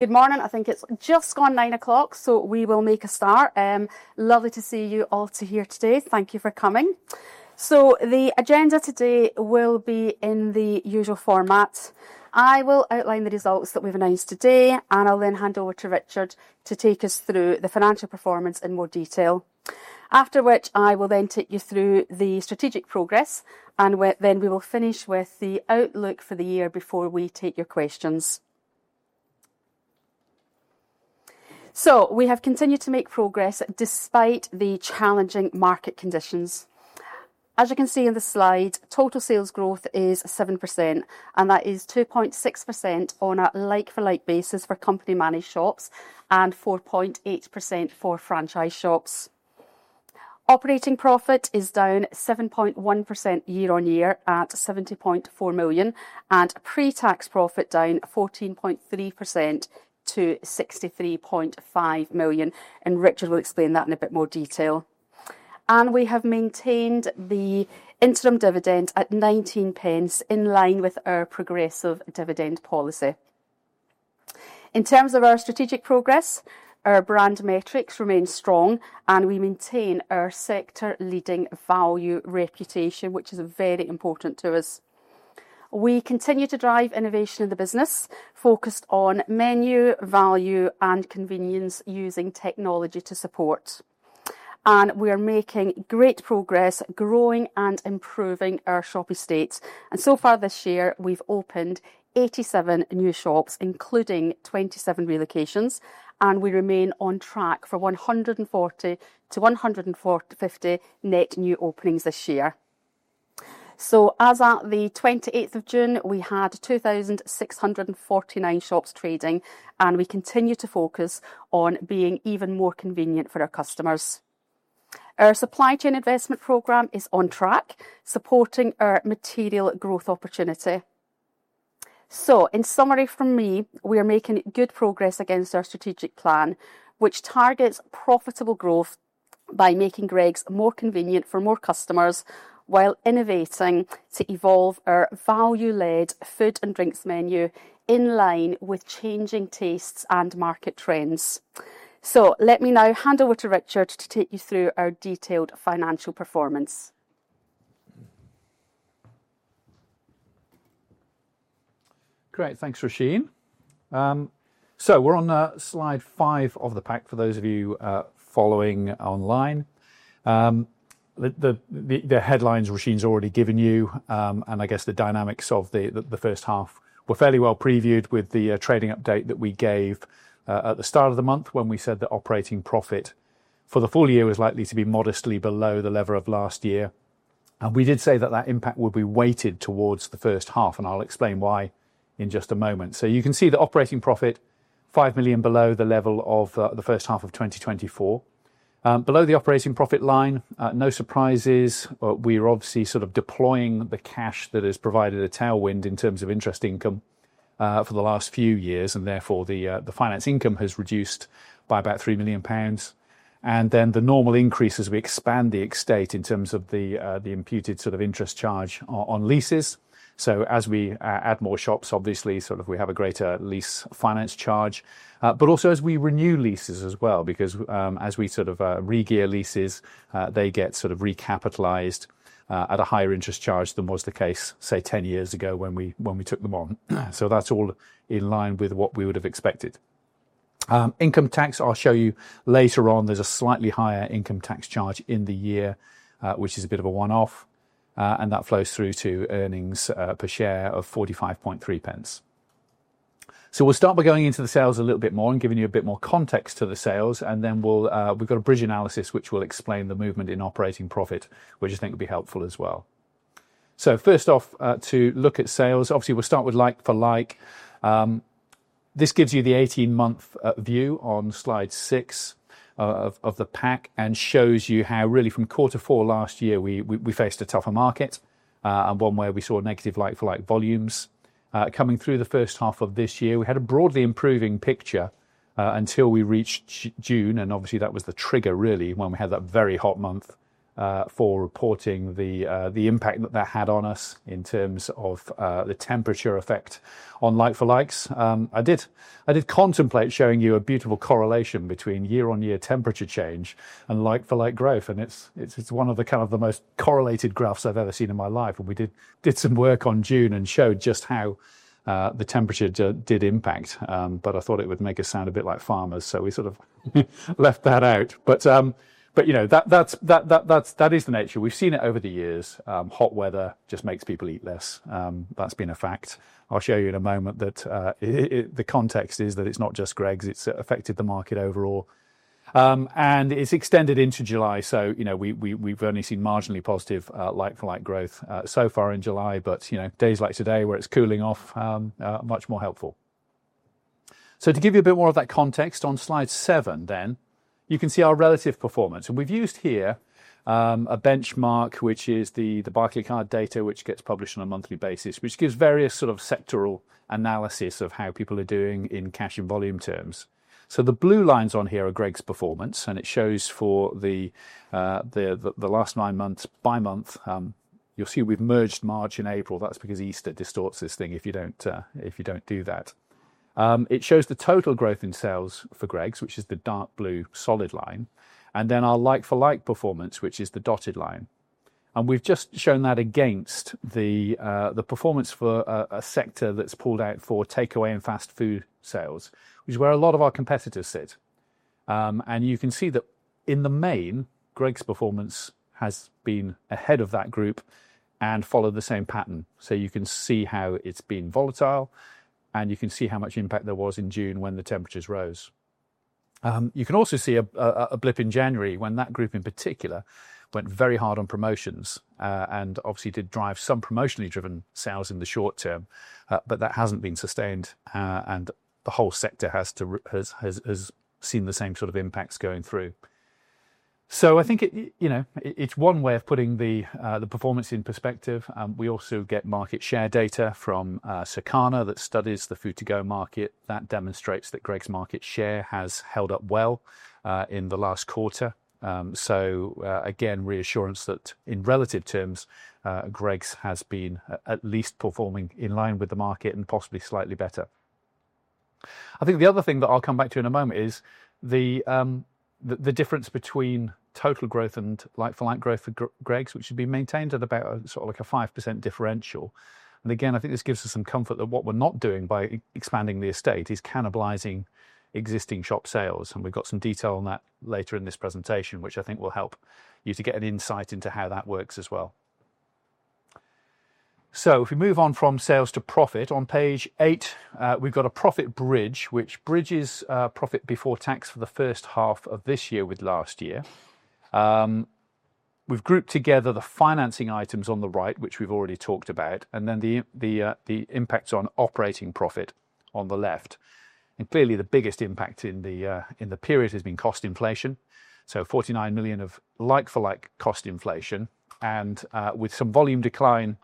Good morning. I think it's just gone 9:00 A.M., so we will make a start. Lovely to see you all here today. Thank you for coming. The agenda today will be in the usual format. I will outline the results that we've announced today, and I'll then hand over to Richard to take us through the financial performance in more detail. After which, I will then take you through the strategic progress, and we will finish with the outlook for the year before we take your questions. We have continued to make progress despite the challenging market conditions. As you can see in the slide, total sales growth is 7%, and that is 2.6% on a like-for-like basis for company-managed shops and 4.8% for franchise shops. Operating profit is down 7.1% year on year at £70.4 million, and pre-tax profit down 14.3% year to £63.5 million. Richard will explain that in a bit more detail. We have maintained the interim dividend at £0.19 in line with our progressive dividend policy. In terms of our strategic progress, our brand metrics remain strong, and we maintain our sector-leading value reputation, which is very important to us. We continue to drive innovation in the business focused on menu, value, and convenience, using technology to support. We are making great progress growing and improving our shop estate. So far this year, we've opened 87 new shops, including 27 relocations, and we remain on track for 140 to 150 net new openings this year. As at 28 June, we had 2,649 shops trading, and we continue to focus on being even more convenient for our customers. Our supply chain investment program is on track, supporting our material growth opportunity. In summary from me, we are making good progress against our strategic plan, which targets profitable growth by making Greggs more convenient for more customers while innovating to evolve our value-led food and drinks menu in line with changing tastes and market trends. Let me now hand over to Richard to take you through our detailed financial performance. Great, thanks, Roisin. We're on slide 5 of the pack for those of you following online. The headlines Roisin's already given you. I guess the dynamics of the first half were fairly well previewed with the trading update that we gave at the start of the month when we said that operating profit for the full year was likely to be modestly below the level of last year. We did say that that impact would be weighted towards the first half. I'll explain why in just a moment. You can see the operating profit £5 million below the level of the first half of 2024 below the operating profit line. No surprises. We are obviously sort of deploying the cash that has provided a tailwind in terms of interest income for the last few years and therefore the finance income has reduced by about £3 million. The normal increase as we expand the estate in terms of the imputed sort of interest charge on leases. As we add more shops, obviously we have a greater lease finance charge, but also as we renew leases as well, because as we sort of regear leases, they get recapitalized at a higher interest charge than was the case say 10 years ago when we took them on. That's all in line with what we would have expected. Income tax, I'll show you later on, there's a slightly higher income tax charge in the year which is a bit of a one off and that flows through to earnings per share of 45.3 pence. We'll start by going into the sales a little bit more and giving you a bit more context to the sales. We've got a bridge analysis which will explain the movement in operating profit, which I think will be helpful as well. First off, to look at sales, obviously we'll start with like-for-like. This gives you the 18 month view on slide 6 of the pack and shows you how really from quarter four last year we faced a tougher market and one where we saw negative like-for-like volumes coming through the first half of this year. We had a broadly improving picture until we reached June. Obviously that was the trigger really when we had that very hot month for reporting the impact that that had on us in terms of the temperature effect on like-for-likes. I did contemplate showing you a beautiful correlation between year-on-year temperature change and like-for-like growth. It's one of the most correlated graphs I've ever seen in my life. We did some work on June and showed just how the temperature did impact, but I thought it would make us sound a bit like farmers, so we sort of left that out. That is the nature. We've seen it over the years. Hot weather just makes people eat less. That's been a fact. I'll show you in a moment that the context is that it's not just Greggs, it's affected the market overall and it's extended into July. We've only seen marginally positive, like-for-like growth so far in July, but days like today where it's cooling off are much more helpful. To give you a bit more of that context on slide seven, you can see our relative performance and we've used here a benchmark, which is the Barclaycard data, which gets published on a monthly basis and gives various sort of sectoral analysis of how people are doing in cash and volume terms. The blue lines on here are Greggs performance. It shows for the last nine months, by month, you'll see we've merged March and April. That's because Easter distorts this thing if you don't do that. It shows the total growth in sales for Greggs, which is the dark blue solid line, and then our like-for-like performance, which is the dotted line. We've just shown that against the performance for a sector that's pulled out for takeaway and fast food storage sales, which is where a lot of our competitors sit. You can see that in the main, Greggs performance has been ahead of that group and followed the same pattern. You can see how it's been volatile and you can see how much impact there was in June when the temperatures rose. You can also see a blip in January when that group in particular went very hard on promotions and obviously did drive some promotionally driven sales in the short term. That hasn't been sustained and the whole sector has seen the same sort of impacts going through. I think it's one way of putting the performance in perspective. We also get market share data from Circana that studies the food to go market. That demonstrates that Greggs market share has held up well in the last quarter. Again, reassurance that in relative terms, Greggs has been at least performing in line with, possibly slightly better. I think the other thing that I'll come back to in a moment is the difference between total growth and like-for-like growth for Greggs, which has been maintained at about a 5% differential. I think this gives us some comfort that what we're not doing by expanding the estate is cannibalizing existing shop sales. We've got some detail on that later in this presentation, which I think will help you to get an insight into how that works as well. If we move on from sales to profit, on page eight, we've got a profit bridge which bridges profit before tax for the first half of this year with last year. We've grouped together the financing items on the right, which we've already talked about, and then the impacts on operating profit on the left. Clearly, the biggest impact in the period has been cost inflation. £49 million of like-for-like cost inflation, and with some volume decline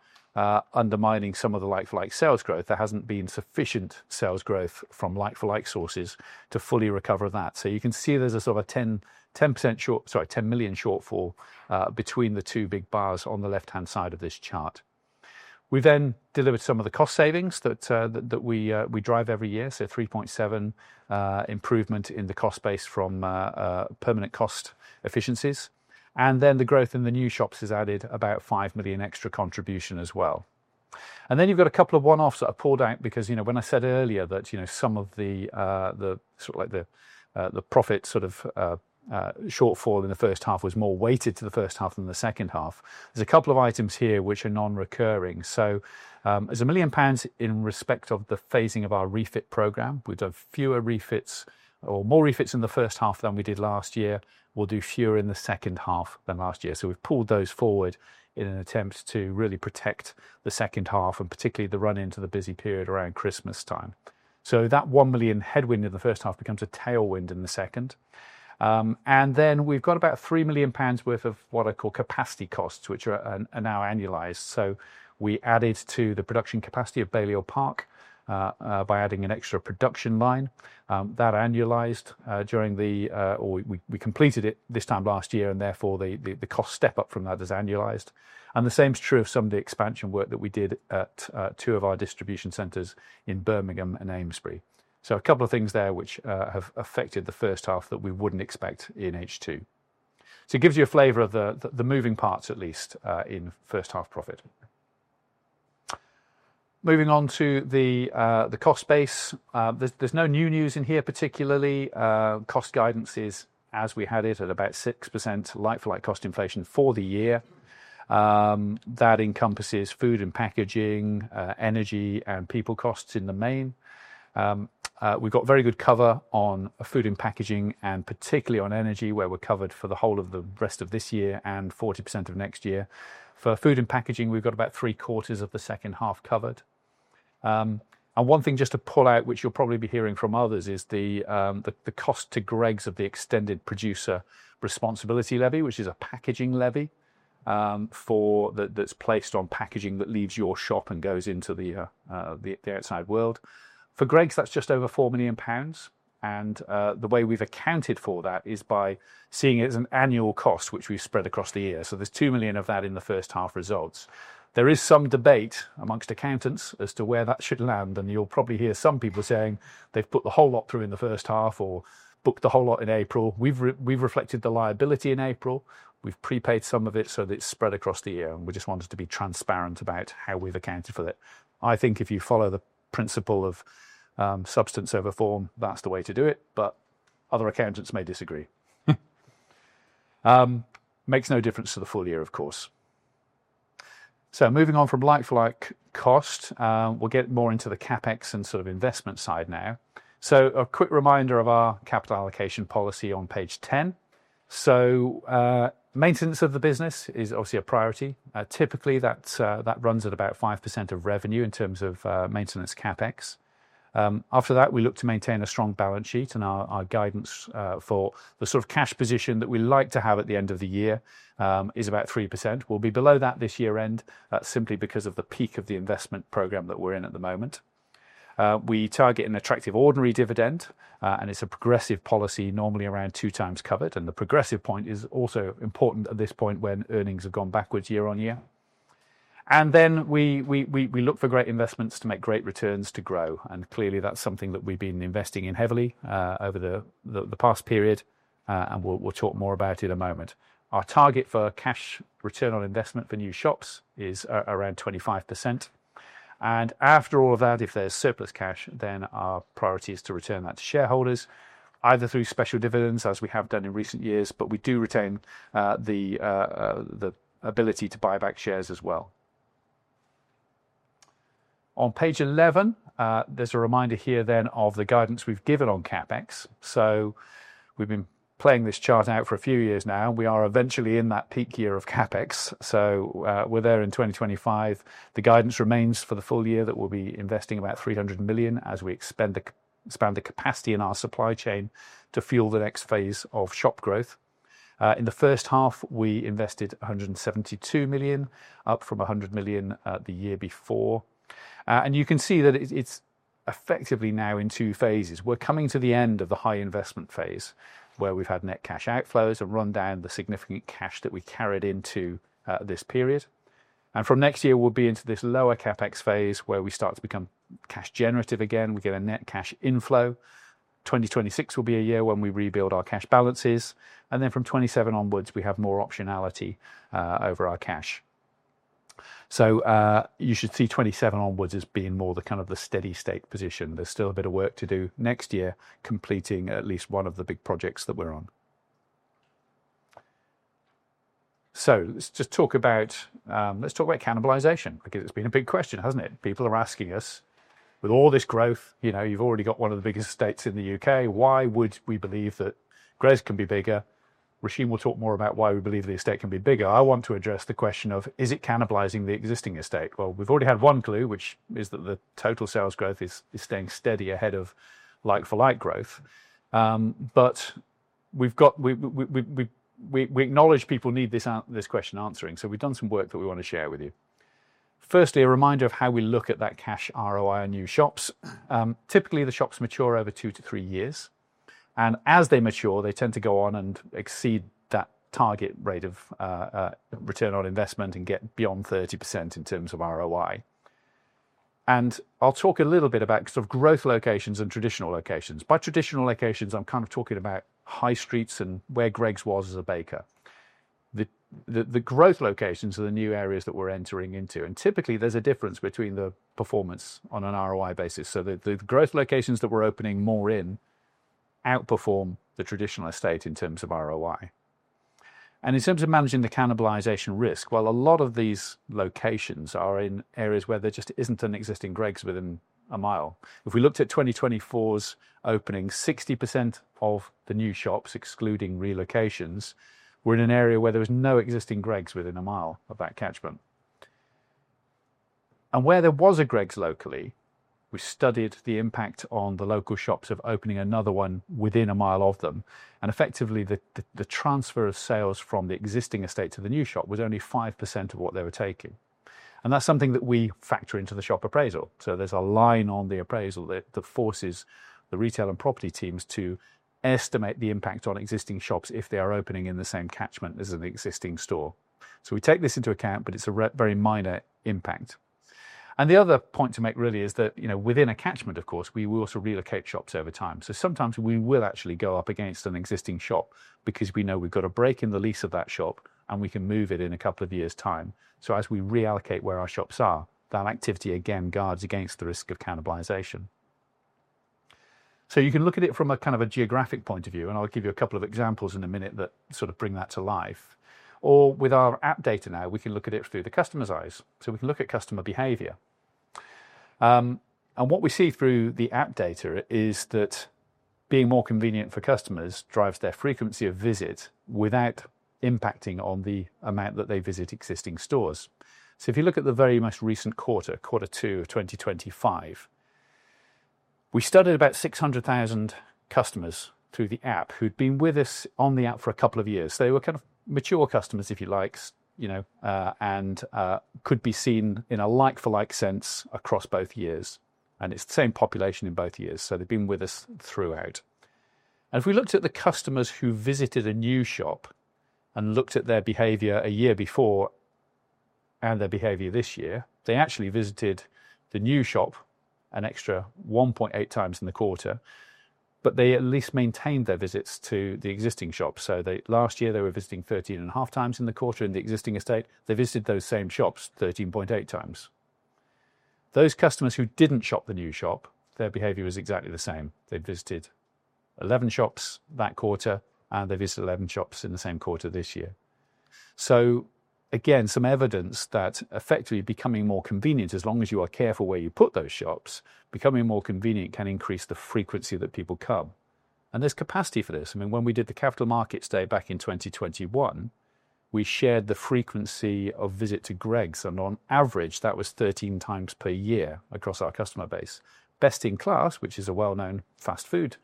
undermining some of the like-for-like sales growth, there hasn't been sufficient sales growth from like-for-like sources to fully recover that. You can see there's a sort of a £10 million shortfall between the two big bars on the left-hand side of this chart. We then delivered some of the cost savings that we drive every year. £3.7 million improvement in the cost base from permanent cost efficiencies, and then the growth in the new shops has added about £5 million extra contribution as well. There are a couple of one-offs that are pulled out because, when I said earlier that some of the profit shortfall in the first half was more weighted to the first half than the second half, there's a couple of items here which are non-recurring. There's £1 million in respect of the phasing of our refit program. We've done more refits in the first half than we did last year, will do fewer in the second half than last year. We've pulled those forward in an attempt to really protect the second half and particularly the run into the busy period around Christmas time. That £1 million headwind in the first half becomes a tailwind in the second. We've got about £3 million worth of what I call capacity costs which are now annualized. We added to the production capacity of Balliol Park by adding an extra production line that annualized during the year. We completed it this time last year and therefore the cost step up from that is annualized. The same is true of some of the expansion work that we did at two of our distribution centers in Birmingham and Amesbury. A couple of things there have affected the first half that we wouldn't expect in H2. It gives you a flavor of the moving parts at least in first half profit. Moving on to the cost base, there's no new news in here particularly. Cost guidance is as we had it at about 6% like-for-like cost inflation for the year. That encompasses food and packaging, energy, and people costs. In the main, we've got very good cover on food and packaging and particularly on energy, where we're covered for the whole of the rest of this year and 40% of next year. For food and packaging, we've got about three quarters of the second half covered. One thing just to pull out, which you'll probably be hearing from others, is the cost to Greggs of the extended producer responsibility, which is a packaging levy that's placed on packaging that leaves your shop and goes into the outside world. For Greggs, that's just over £4 million. The way we've accounted for that is by seeing it as an annual cost, which we've spread across the year. There's £2 million of that in the first half results. There is some debate amongst accountants as to where that should land, and you'll probably hear some people saying they've put the whole lot through in the first half or booked the whole lot in April. We've reflected the liability in April, we've prepaid some of it so that it's spread across the year, and we just wanted to be transparent about how we've accounted for it. I think if you follow the principle of substance over form, that's the way to do it. Other accountants may disagree. It makes no difference to the full year, of course. Moving on from like-for-like cost, we'll get more into the CapEx and sort of investment side now. A quick reminder of our capital allocation policy on page 10. Maintenance of the business is obviously a priority. Typically, that runs at about 5% of revenue in terms of maintenance CapEx. After that, we look to maintain a strong balance sheet, and our guidance for the sort of cash position that we like to have at the end of the year is about 3%. We'll be below that this year end simply because of the peak of the investment program that we're in at the moment. We target an attractive ordinary dividend, and it's a progressive policy, normally around two times covered. The progressive point is also important at this point, when earnings have gone backwards year on year. We look for great investments to make great returns to grow. Clearly that's something that we've been investing in heavily over the past period, and we'll talk more about it in a moment. Our target for cash return on investment for new shops is around 25%. After all of that, if there's surplus cash, then our priority is to return that to shareholders, either through special dividends, as we have done in recent years, but we do retain the ability to buy back shares as well. On page 11, there's a reminder here of the guidance we've given on CapEx. We've been playing this chart out for a few years now. We are eventually in that peak year of CapEx, so we're there in 2025. The guidance remains for the full year that we'll be investing about £300 million as we expand the capacity in our supply chain to fuel the next phase of shop growth. In the first half, we invested £172 million, up from £100 million the year before. You can see that it's effectively now in two phases. We're coming to the end of the high investment phase where we've had net cash outflows and run down the significant cash that we carried into this period, and from next year we'll be into this lower CapEx phase where we start to become cash generative again. We get a net cash inflow. 2026 will be a year when we rebuild our cash balances, and from 2027 onwards we have more optionality over our cash. You should see 2027 onwards as being more the kind of steady state position. There's still a bit of work to do next year completing at least one of the big projects that we're on. Let's talk about cannibalization because it's been a big question, hasn't it? People are asking us, with all this growth, you've already got one of the biggest estates in the UK. Why would we believe that Greggs can be bigger? Roisin will talk more about why we believe the estate can be bigger. I want to address the question of is it cannibalizing the existing estate. We've already had one clue, which is that the total sales growth is staying steady ahead of like-for-like growth. We acknowledge people need this question answering, so we've done some work that we want to share with you. Firstly, a reminder of how we look at that cash ROI on new shops. Typically, the shops mature over two to three years, and as they mature, they tend to go on and exceed that target rate of return on investment and get beyond 30% in terms of ROI. I'll talk a little bit about growth locations and traditional locations. By traditional locations, I'm kind of talking about high streets and where Greggs was as a baker. The growth locations are the new areas that we're entering into, and typically there's a difference between the performance on an ROI basis. The growth locations that we're opening more in outperform the traditional estate in terms of ROI and in terms of managing the cannibalization risk. A lot of these locations are in areas where there just isn't an existing Greggs within a mile. If we looked at 2024's opening, 60% of the new shops, excluding relocations, were in an area where there was no existing Greggs within a mile of that catchment. Where there was a Greggs locally, we studied the impact on the local shops of opening another one within a mile of them. Effectively, the transfer of sales from the existing estate to the new shop was only 5% of what they were taking. That's something that we factor into the shop appraisal. There's a line on the appraisal that forces the retail and property teams to estimate the impact on existing shops if they are opening in the same catchment as an existing store. We take this into account, but it's a very minor impact. The other point to make really is that within a catchment, of course, we will also relocate shops over time. Sometimes we will actually go up against an existing shop because we know we've got a break in the lease of that shop and we can move it in a couple of years' time. As we reallocate where our shops are, that activity again guards against the risk of cannibalization. You can look at it from a kind of a geographic point of view, and I'll give you a couple of examples in a minute that sort of bring that to life. With our app data now, we can look at it through the customer's eyes, so we can look at customer behavior. What we see through the app data is that being more convenient for customers drives their frequency of visits without impacting on the amount that they visit existing stores. If you look at the very most recent quarter, quarter two of 2025, we studied about 600,000 customers through the app who'd been with us on the app for a couple of years. They were kind of mature customers, if you like, you know, and could be seen in a like-for-like sense across both years. It's the same population in both years, so they've been with us throughout. If we looked at the customers who visited a new shop and looked at their behavior a year before and their behavior this year, they actually visited the new shop an extra 1.8 times in the quarter, but they at least maintained their visits to the existing shops. Last year they were visiting 13.5 times in the quarter in the existing estate, they visited those same shops 13.8 times. Those customers who didn't shop the new shop, their behavior is exactly the same. They visited 11 shops that quarter and they visited 11 shops in the same quarter this year. Some evidence that effectively becoming more convenient, as long as you are careful where you put those shops, becoming more convenient can increase the frequency that people come and there's capacity for this. When we did the Capital Markets day back in 2021, we shared the frequency of visit to Greggs and on average that was 13 times per year across our customer base. Best in Class, which is a well-known fast food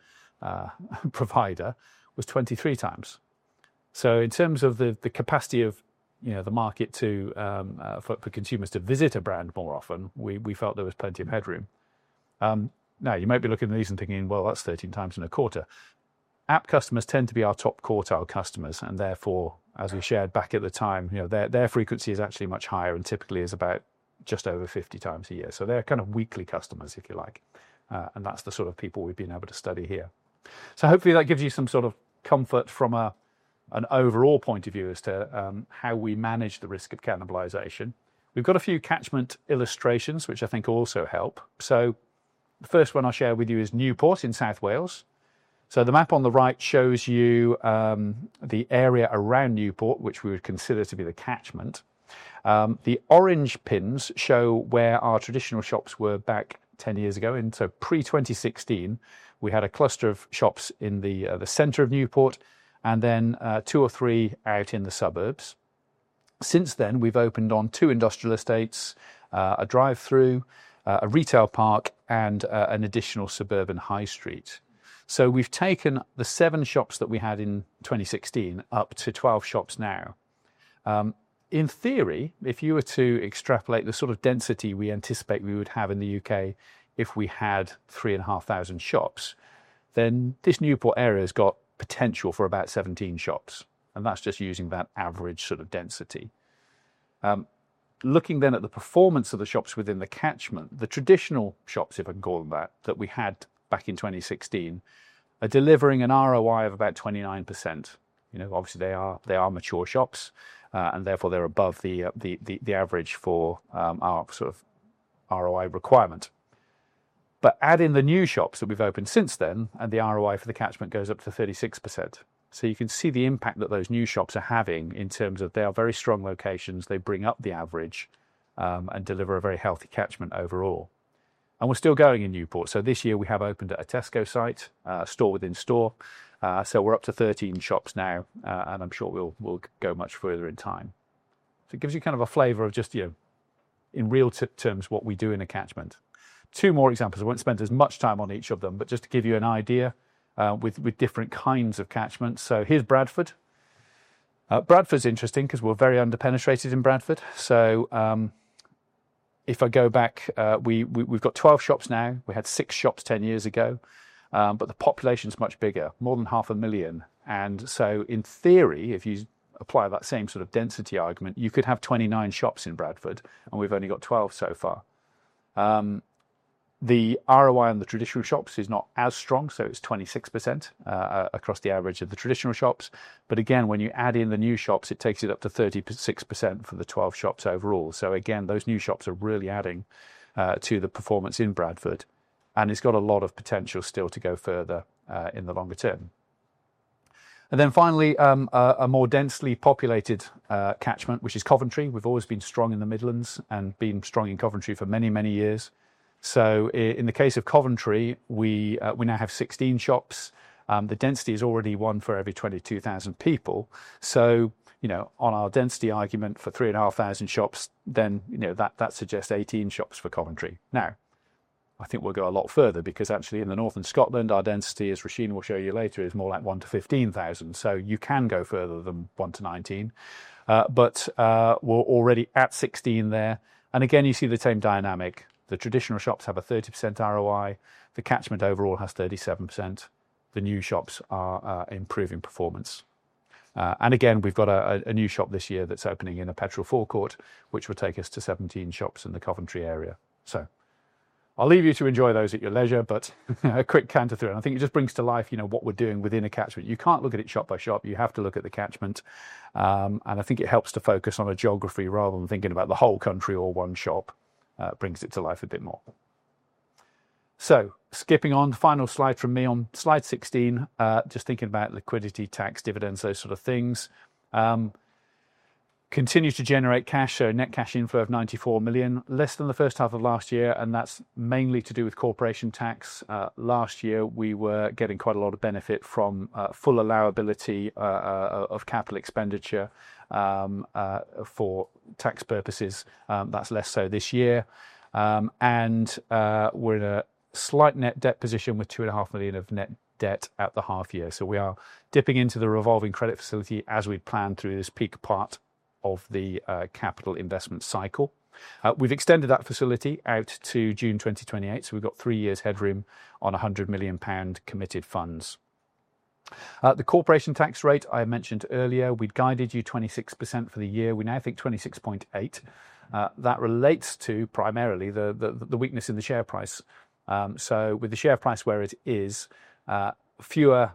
provider, was 23 times. In terms of the capacity of the market for consumers to visit a brand more often, we felt there was plenty of headroom. You might be looking at these and thinking, that's 13 times in a quarter. App customers tend to be our top quartile customers and therefore as we shared back at the time, their frequency is actually much higher and typically is about just over 50 times a year. They're kind of weekly customers if you like. That's the sort of people we've been able to study here. Hopefully that gives you some sort of comfort from an overall point of view as to how we manage the risk of cannibalization. We've got a few catchment illustrations which I think also help. The first one I'll share with you is Newport in South Wales. The map on the right shows you the area around Newport which we would consider to be the catchment. The orange pins show where our traditional shops were back 10 years ago. Pre-2016 we had a cluster of shops in the center of Newport and then two or three out in the suburbs. Since then we've opened on two industrial estates, a drive thru, a retail park, and an additional suburban high street. We've taken the seven shops that we had in 2016 up to 12 shops. In theory, if you were to extrapolate the sort of density we anticipate we would have in the UK, if we had 3,500 shops, then this Newport area has got potential for about 17 shops. That's just using that average sort of density. Looking then at the performance of the shops within the catchment, the traditional shops, if I can call them that, that we had back in 2016 are delivering an ROI of about 29%. Obviously, they are mature shops and therefore they're above the average for our sort of ROI requirement. Add in the new shops that we've opened since then and the ROI for the catchment goes up to 36%. You can see the impact that those new shops are having in terms of they are very strong locations, they bring up the average and deliver a very healthy catchment overall. We're still going in Newport. This year we have opened a Tesco site, store within store. We're up to 13 shops now and I'm sure we'll go much further in time. It gives you kind of a flavor of just, you know, in real terms what we do in a catchment. Two more examples. I won't spend as much time on each of them, but just to give you an idea with different kinds of catchments. Here's Bradford. Bradford's interesting because we're very underpenetrated in Bradford. If I go back, we've got 12 shops now. We had six shops 10 years ago, but the population's much bigger, more than half a million. In theory, if you apply that same sort of density argument, you could have 29 shops in Bradford and we've only got 12 so far. The ROI on the traditional shops is not as strong, so it's 26% across the average of the traditional shops. Again, when you add in the new shops, it takes it up to 36% for the 12 shops overall. Those new shops are really adding to the performance in Bradford and it's got a lot of potential still to go further in the longer term. Finally, a more densely populated catchment, which is Coventry. We've always been strong in the Midlands and been strong in Coventry for many, many years. In the case of Coventry, we now have 16 shops. The density is already one for every 22,000 people. On our density argument for 3,500 shops, that suggests 18 shops for Coventry. I think we'll go a lot further because actually, in northern Scotland, our density, as Roisin will show you later, is more like 1 to 15,000. You can go further than 1 to 19, but we're already at 16 there. Again you see the same dynamic. The traditional shops have a 30% ROI, the catchment overall has 37%. The new shops are improving performance. We've got a new shop this year that's opening in a petrol forecourt which will take us to 17 shops in the Coventry area. I'll leave you to enjoy those at your leisure. A quick canter through and I think it just brings to life what we're doing within a catchment. You can't look at it shop by shop, you have to look at the catchment and I think it helps to focus on a geography rather than thinking about the whole country or one shop brings it to life a bit more. Skipping on, final slide from me on slide 16, just thinking about liquidity, tax, dividends, those sort of things. Continues to generate cash. Net cash inflow of £94 million, less than the first half of last year, and that's mainly to do with corporation tax. Last year we were getting quite a lot of benefit from full allowability of capital expenditure for tax purposes. That's less so this year. We're in a slight net debt position with £2.5 million of net debt at the half year. We are dipping into the revolving credit facility as we planned through this peak part of the capital investment cycle. We've extended that facility out to June 2028. We've got three years headroom on £100 million committed funds. The corporation tax rate I mentioned earlier, we'd guided you 26% for the year. We now think 26.8%. That relates to primarily the weakness in the share price. With the share price where it is, fewer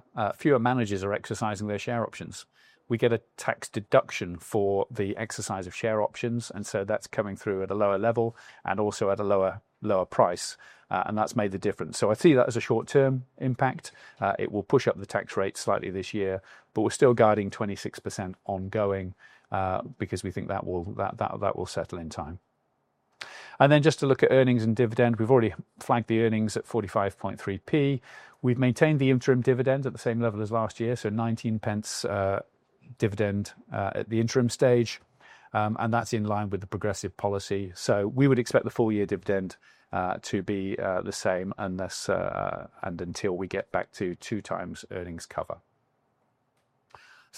managers are exercising their share options. We get a tax deduction for the exercise of share options and that's coming through at a lower level and also at a lower price and that's made the difference. I see that as a short term impact. It will push up the tax rate slightly this year, but we're still guiding 26% ongoing because we think that will settle in time. Just to look at earnings and dividend, we've already flagged the earnings at 45.3p. We've maintained the interim dividend at the same level as last year, so 19p dividend at the interim stage and that's in line with the progressive policy. We would expect the full year dividend to be the same until we get back to two times earnings cover.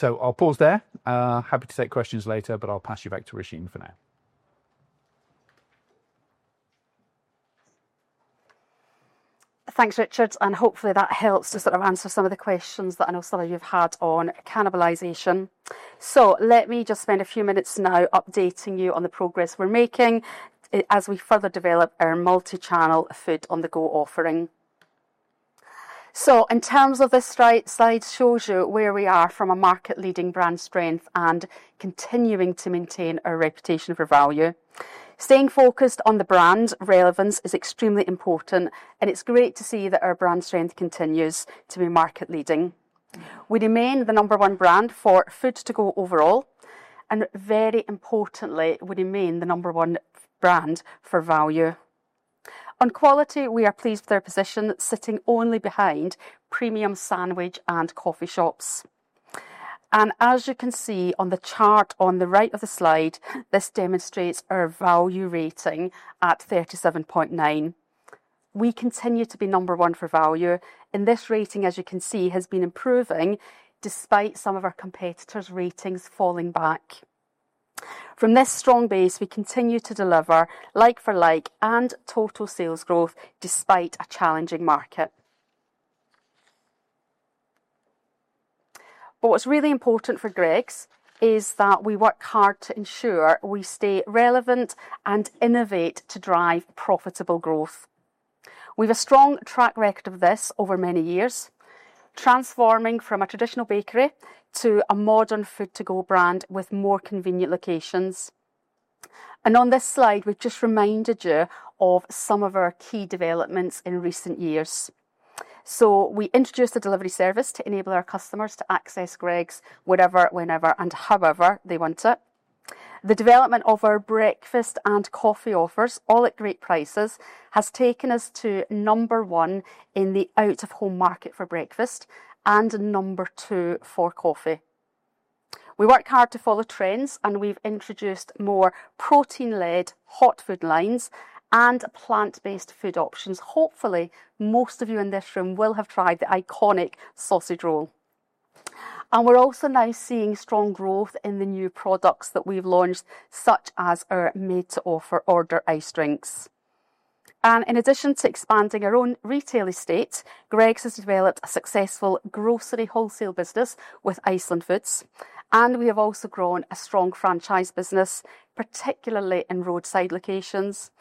I'll pause there. Happy to take questions later, but I'll pass you back to Roisin for now. Thanks, Richard. Hopefully that helps to sort of answer some of the questions that I know some of you have had on cannibalization. Let me just spend a few minutes now updating you on the progress we're making as we further develop our multi channel food on the go offering. In terms of this, this slide shows you where we are from a market leading brand strength and continuing to maintain our reputation for value. Staying focused on the brand relevance is extremely important, and it's great to see that our brand strength continues to be market leading. We remain the number one brand for food to go overall, and very importantly, we remain the number one brand for value. On quality, we are pleased with our position, sitting only behind premium sandwich and coffee shops. As you can see on the chart on the right of the slide, this demonstrates our value rating at 37.9. We continue to be number one for value, and this rating, as you can see, has been improving despite some of our competitors' ratings falling back. From this strong base, we continue to deliver like-for-like and total sales growth despite a challenging market. What's really important for Greggs is that we work hard to ensure we stay relevant and innovate to drive profitable growth. We have a strong track record of this over many years, transforming from a traditional bakery to a modern food to go brand with more convenient locations. On this slide, we've just reminded you of some of our key developments in recent years. We introduced the delivery service to enable our customers to access Greggs wherever, whenever, and however they want it. The development of our breakfast and coffee offers, all at great prices, has taken us to number one in the out of home market for breakfast and number two for coffee. We work hard to follow trends, and we've introduced more protein-led hot food lines and plant-based food options. Hopefully most of you in this room will have tried the iconic sausage roll. We're also now seeing strong growth in the new products that we've launched, such as our made to order iced drinks. In addition to expanding our own retail estate, Greggs has developed a successful grocery wholesale business with Iceland Foods. We have also grown a strong franchise business, particularly in roadside locations.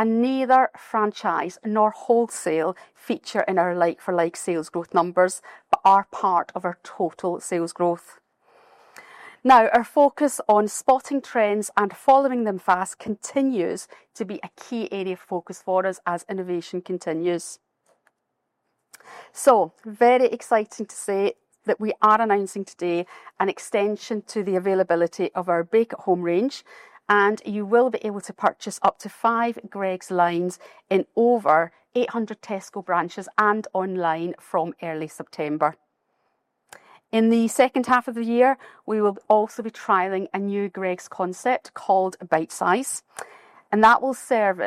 Neither franchise nor wholesale feature in our like-for-like sales growth numbers but are part of our total sales growth now. Our focus on spotting trends and following them fast continues to be a key area of focus for us as Innov continues. Very exciting to say that we are announcing today an extension to the availability of our bake at home range, and you will be able to purchase up to five Greggs lines in over 800 Tesco branches and online from early September. In the second half of the year, we will also be trialling a new Greggs concept called Bite Size Greggs, and that will serve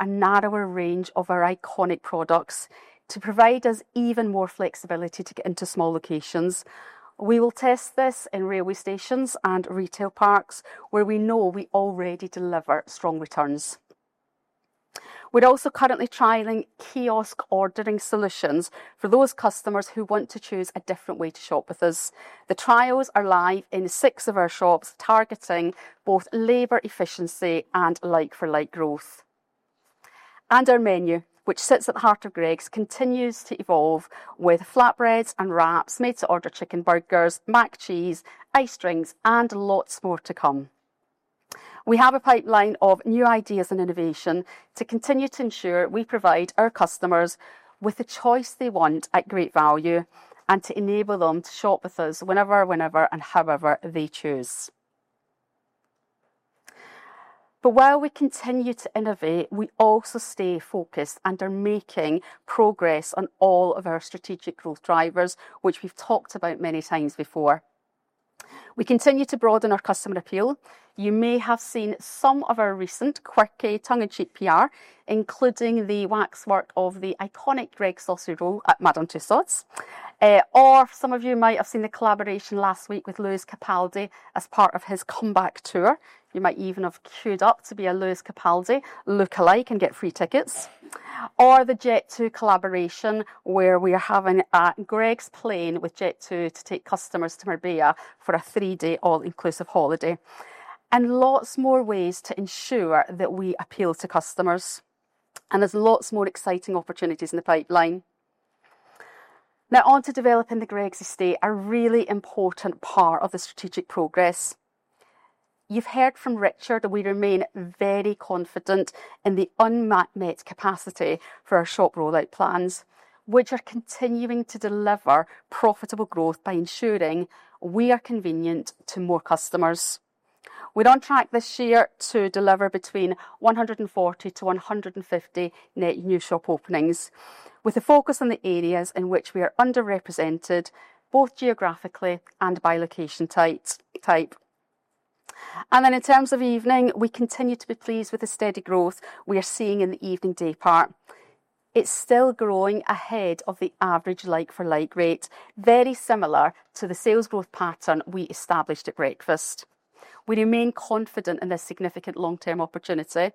a narrower range of our iconic products to provide us even more flexibility to get into small locations. We will test this in railway stations and retail parks where we know we already deliver strong returns. We're also currently trialling self-service kiosks ordering solutions for those customers who want to choose a different way to shop with us. The trials are live in six of our shops, targeting both labor efficiency and like-for-like growth. Our menu, which sits at the heart of Greggs, continues to evolve with flatbreads and wraps made to order, chicken burgers, mac and cheese, over-ice drinks, and lots more to come. We have a pipeline of new ideas and menu innovation to continue to ensure we provide our customers with the choice they want at great value and to enable them to shop with us whenever and however they choose. While we continue to innovate, we also stay focused and are making progress on all of our strategic growth drivers, which we've talked about many times before. We continue to broaden our customer appeal. You may have seen some of our recent quirky tongue-in-cheek PR, including the waxwork of the iconic Greggs sausage roll at Madame Tussauds. Some of you might have seen the collaboration last week with Lewis Capaldi as part of his comeback tour. You might even have queued up to be a Lewis Capaldi lookalike and get free tickets. The Jet2 collaboration where we are having a Greggs plane with Jet2 to take customers to Marbella for a three-day all-inclusive holiday, and lots more ways to ensure that we appeal to customers. There are lots more exciting opportunities in the pipeline. Now on to developing the Greggs estate, a really important part of the strategic progress you've heard from Richard. We remain very confident in the unmet capacity for our shop rollout plans, which are continuing to deliver profitable growth by ensuring we are convenient to more customers. We're on track this year to deliver between 140 to 150 net new shop openings with a focus on the areas in which we are underrepresented both geographically and by location type. In terms of evening, we continue to be pleased with the steady growth we are seeing in the evening day part. It's still growing ahead of the average like-for-like rate, very similar to the sales growth pattern we established at breakfast. We remain confident in this significant long-term opportunity.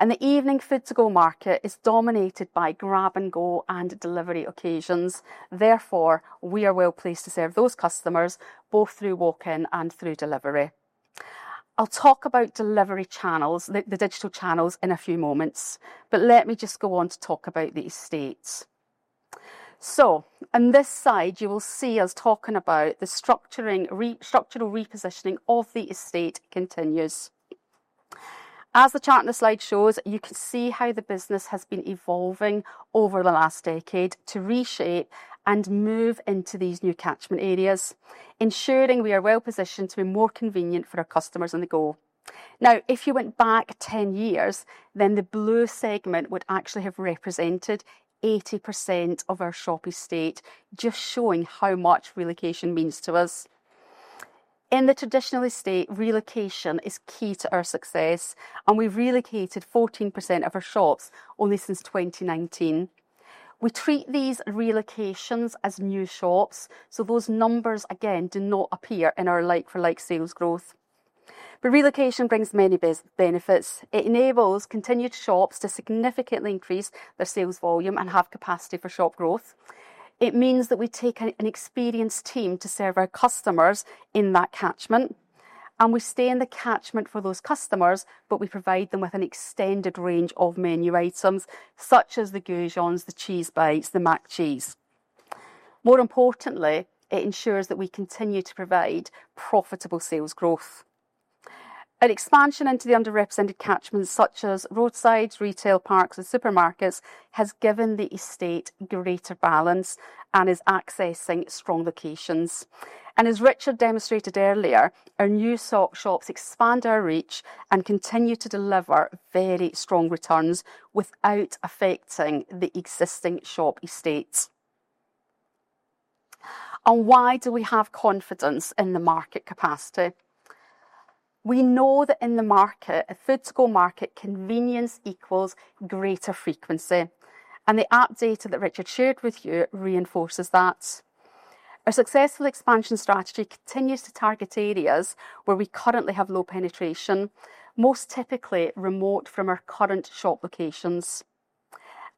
The evening food-to-go market is dominated by grab and go and delivery occasions. Therefore, we are well placed to serve those customers both through walk-in and through delivery. I'll talk about delivery channels, the digital channels, in a few moments, but let me just go on to talk about the estates. On this side, you will see us talking about the structural repositioning of the estate continues. As the chart in the slide shows, you can see how the business has been evolving over the last decade to reshape and move into these new catchment areas, ensuring we are well positioned to be more convenient for our customers on the go. If you went back 10 years, then the blue segment would actually have represented 80% of our shop estate, just showing how much relocation means to us in the traditional estate. Relocation is key to our success and we've relocated 14% of our shops only since 2019. We treat these relocations as new shops, so those numbers again do not appear in our like-for-like sales growth. Relocation brings many benefits. It enables continued shops to significantly increase their sales volume and have capacity for shop growth. It means that we take an experienced team to serve our customers in that catchment and we stay in the catchment for those customers, but we provide them with an extended range of menu items, such as the Goujons, the Cheese Bites, the Mac Cheese. More importantly, it ensures that we continue to provide profitable sales growth. An expansion into the underrepresented catchments, such as roadsides, retail parks, and supermarkets, has given the estate greater balance and is accessing strong locations. As Richard demonstrated earlier, our new shops expand our reach and continue to deliver very strong returns without affecting the existing shop estates. Why do we have confidence in the market capacity? We know that in the market, a food-to-go market, convenience equals greater frequency. The app data that Richard shared with you reinforces that our successful expansion strategy continues to target areas where we currently have low penetration, most typically remote from our current shop locations.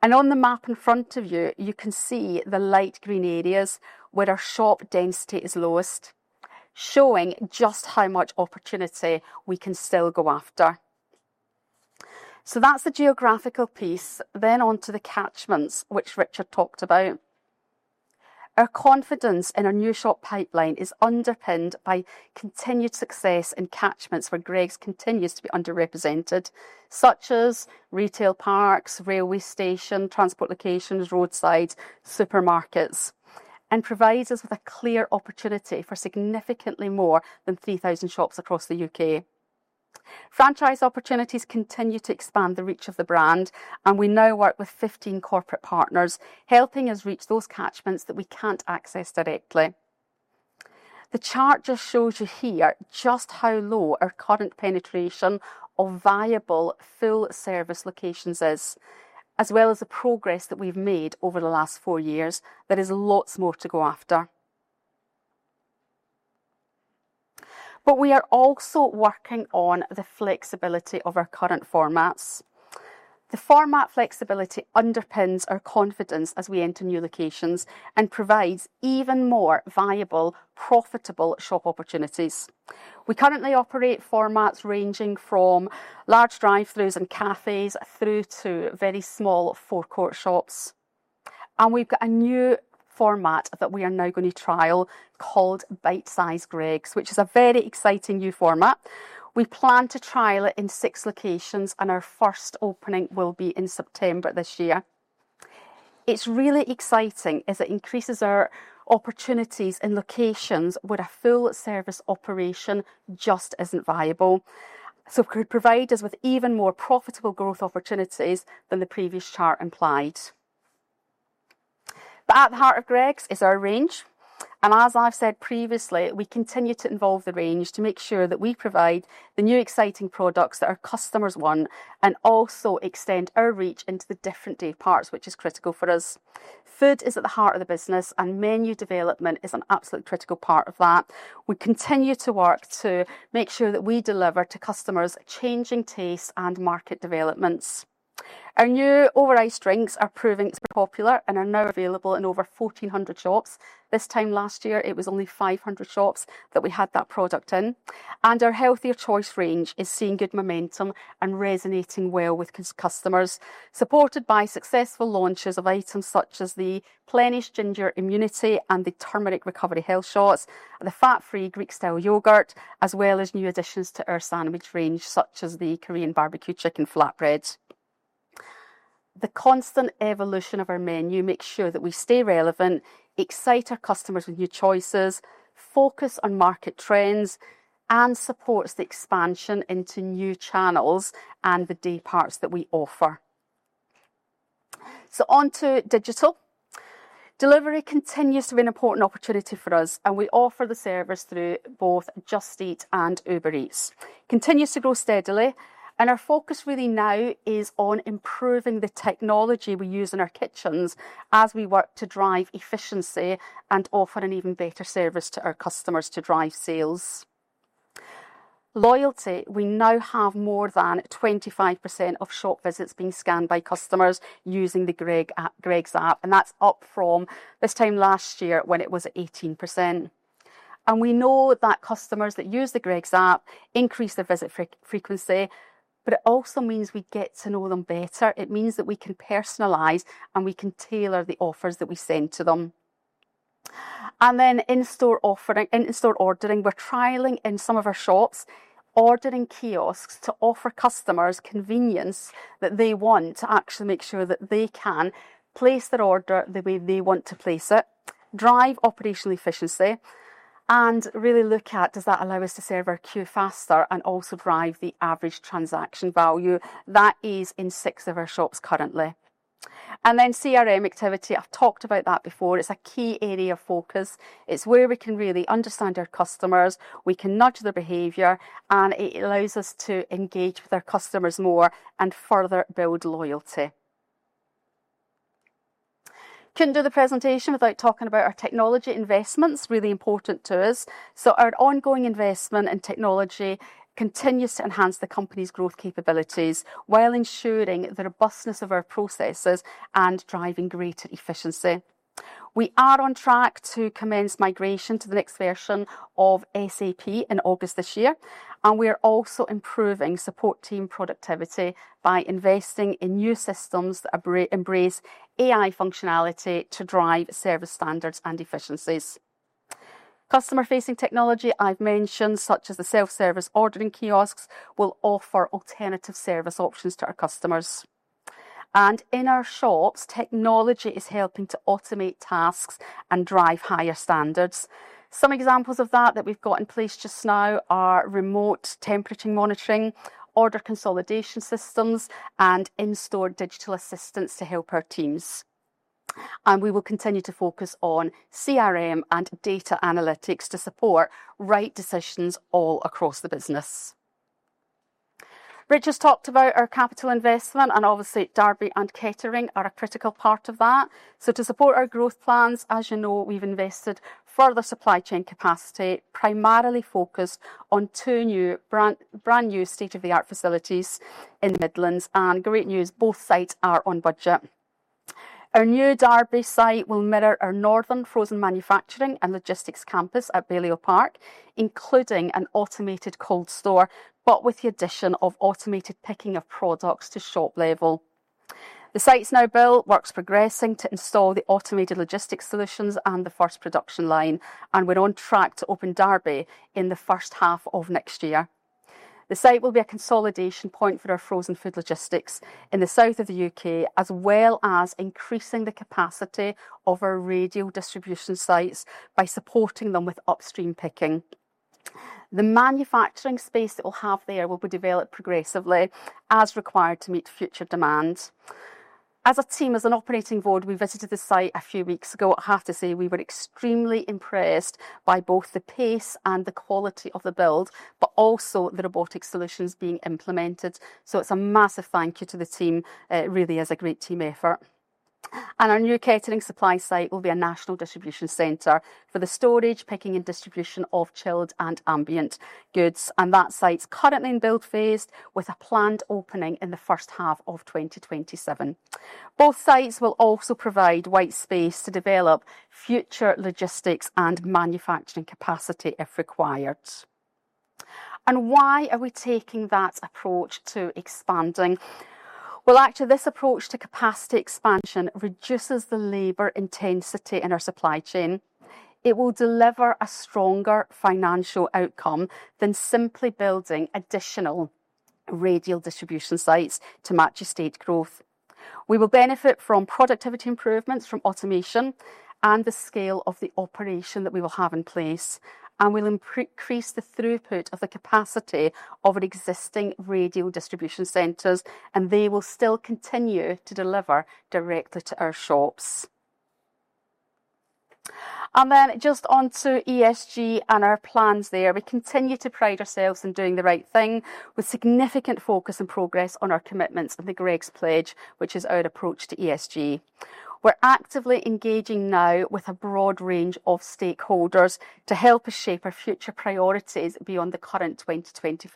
On the map in front of you, you can see the light green areas where our shop density is lowest, showing just how much opportunity we can still go after. That is the geographical piece. Moving on to the catchments which Richard talked about, our confidence in our new shop pipeline is underpinned by continued success in catchments where Greggs continues to be underrepresented, such as retail parks, railway station transport, roadside supermarkets, and provides us with a clear opportunity for significantly more than 3,000 shops across the UK. Franchise opportunities continue to expand the reach of the brand and we now work with 15 corporate partners helping us reach those catchments that we can't access directly. The chart just shows you here just how low our current penetration of viable full service locations is, as well as the progress that we've made over the last four years. There is lots more to go after, but we are also working on the flexibility of our current formats. The format flexibility underpins our confidence as we enter new locations and provides even more viable, profitable shop opportunities. We currently operate formats ranging from large drive throughs and cafes through to very small forecourt shops. We've got a new format that we are now going to trial called Bite Size Greggs, which is a very exciting new format. We plan to trial it in six locations and our first opening will be in September this year. It's really exciting as it increases our opportunities in locations where a full service operation just isn't viable. It could provide us with even more profitable growth opportunities than the previous chart implied. At the heart of Greggs is our range and as I've said previously, we continue to evolve the range to make sure that we provide the new exciting products that our customers want and also extend our reach into the different dayparts which is critical for us. Food is at the heart of the business and menu development is an absolutely critical part of that. We continue to work to make sure that we deliver to customers, changing tastes and market developments. Our new over-ice drinks are proving popular and are now available in over 1,400 shops. This time last year it was only 500 shops that we had that product in, and our Healthier choice range is seeing good momentum and resonating well with customers, supported by successful launches of items such as the Plenish Ginger Immunity and the Turmeric Recovery Health Shots, the Fat Free Greek Style Yogurt, as well as new additions to our sandwich range such as the Korean Barbecue Chicken Flatbread. The constant evolution of our menu makes sure that we stay relevant, excite our customers with new choices, focus on market trends, and supports the expansion into new channels and the day parts that we offer. Onto Digital, delivery continues to be an important opportunity for us, and we offer the service through both Just Eat and Uber Eats. It continues to grow steadily, and our focus really now is on improving the technology we use in our kitchens as we work to drive efficiency and offer an even better service to our customers to drive sales loyalty. We now have more than 25% of shop visits being scanned by customers using the Greggs App, and that's up from this time last year when it was at 18%. We know that customers that use the Greggs App increase their visit frequency, but it also means we get to know them better. It means that we can personalize and we can tailor the offers that we send to them. In store ordering, we're trialing in some of our shops ordering kiosks to offer customers convenience that they want to actually make sure that they can place their order the way they want to place it, drive operational efficiency, and really look at does that allow us to serve our queue faster and also drive the average transaction value. That is in six of our shops currently. CRM activity, I've talked about that before. It's a key area of focus. It's where we can really understand our customers, we can nudge their behavior, and it allows us to engage with our customers more and further build loyalty. Couldn't do the presentation without talking about our technology investments, really important to us. Our ongoing investment in technology continues to enhance the company's growth capabilities while ensuring the robustness of our processes and driving greater efficiency. We are on track to commence migration to the next version of SAP in August this year, and we are also improving support team productivity by investing in new systems that embrace AI functionality to drive service standards and efficiencies. Customer facing technology I've mentioned, such as the self-service ordering kiosks, will offer alternative service options to our customers. In our shops, technology is helping to automate tasks and drive higher standards. Some examples of that that we've got in place just now are remote temperature monitoring, order consolidation systems, and in-store digital assistants to help our teams. We will continue to focus on CRM and data analytics to support right decisions all across the business. Rich has talked about our capital investment, and obviously Derby and Kettering are a critical part of that. To support our growth plans, as you know, we've invested further supply chain capacity primarily focused on two new brand new state-of-the-art facilities in the Midlands. Great news, both sites are on budget. Our new Derby site will mirror our northern frozen manufacturing and logistics campus at Balliol Park, including an automated cold store, but with the addition of automated picking of products to shop level. The site's now built, work's progressing to install the automated logistics solutions and the first production line. We're on track to open Derby in the first half of next year. The site will be a consolidation point for our frozen food logistics in the south of the UK, as well as increasing the capacity of our radial distribution sites by supporting them with upstream picking. The manufacturing space that we'll have there will be developed progressively as required to meet future demand. As a team, as an operating board, we visited the site a few weeks ago. I have to say we were extremely impressed by both the pace and the quality of the build, but also the robotic solutions being implemented. It's a massive thank you to the team. It really is a great team effort. Our new Kettering supply site will be a national distribution center for the storage, picking, and distribution of chilled and ambient goods, and that site's currently in build phased with a planned opening in the first half of 2027. Both sites will also provide white space to develop future logistics and manufacturing capacity if required. Why are we taking that approach to expanding? Actually, this approach to capacity expansion reduces the labor intensity in our supply chain. It will deliver a stronger financial outcome than simply building additional radial distribution sites to match estate growth. We will benefit from productivity improvements from automation and the scale of the operation that we will have in place. We'll increase the throughput of the capacity of our existing radial distribution centers, and they will still continue to deliver directly to our shops. Just onto ESG and our plans there. We continue to pride ourselves on doing the right thing with significant focus and progress on our commitments and the Greggs Pledge, which is our approach to ESG. We're actively engaging now with a broad range of stakeholders to help us shape our future priorities beyond the current 2020.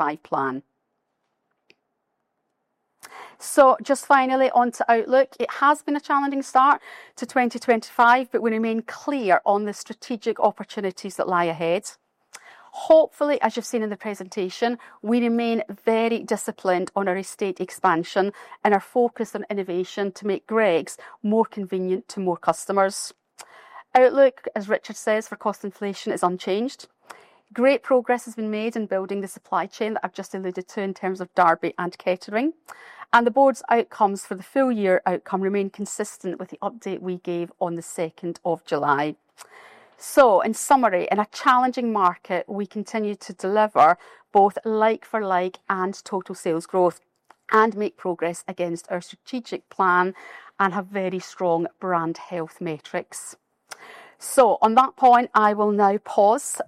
Just finally onto outlook. It has been a challenging start to 2025, but we remain clear on the strategic opportunities that lie ahead. Hopefully, as you've seen in the presentation, we remain very disciplined on our estate expansion and are focused on innovation to make Greggs more convenient to more customers. Outlook, as Richard says, for cost inflation, is unchanged. Great progress has been made in building the supply chain that I've just alluded to in terms of Derby and Kettering, and the Board's outcomes for the full year outcome remain consistent with the update we gave on the 2nd of July. In summary, in a challenging market, we continue to deliver both like-for-like and total sales growth and make progress against our strategic plan and have very strong brand health metrics. On that point I will now pause.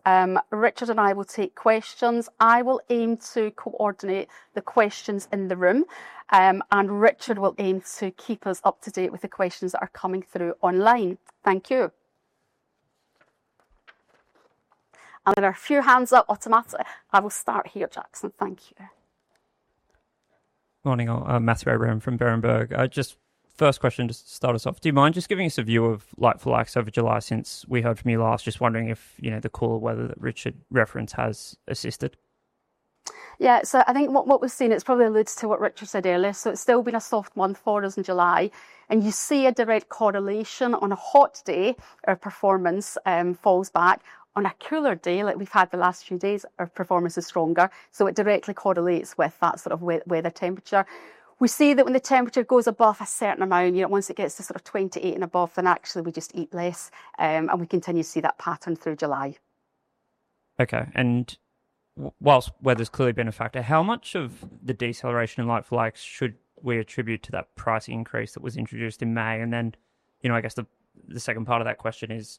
Richard and I will take questions. I will aim to coordinate the questions in the room, and Richard will aim to keep us up to date with the questions that are coming through online. Thank you. There are a few hands up automatically. I will start here. Jackson, thank you. Morning all. Matthew Abraham from Berenberg. Just first question to start us off, do you mind just giving us a view of like-for-likes over July since we heard from you last? Just wondering if you know the cooler weather that Richard referenced has assisted. I think what we've seen probably alludes to what Richard said earlier. It's still been a soft month for us in July, and you see a direct correlation on a hot day—our performance falls back. On a cooler day, like we've had the last few days, our performance is stronger. It directly correlates with that sort of weather temperature. We see that when the temperature goes above a certain amount, you know, once it gets to 28 and above, then actually we just eat less, and we continue to see that pattern through July. Okay. Whilst weather's clearly been a factor, how much of the deceleration in like-for-like should we attribute to that price increase that was introduced in May? I guess the second part of that question is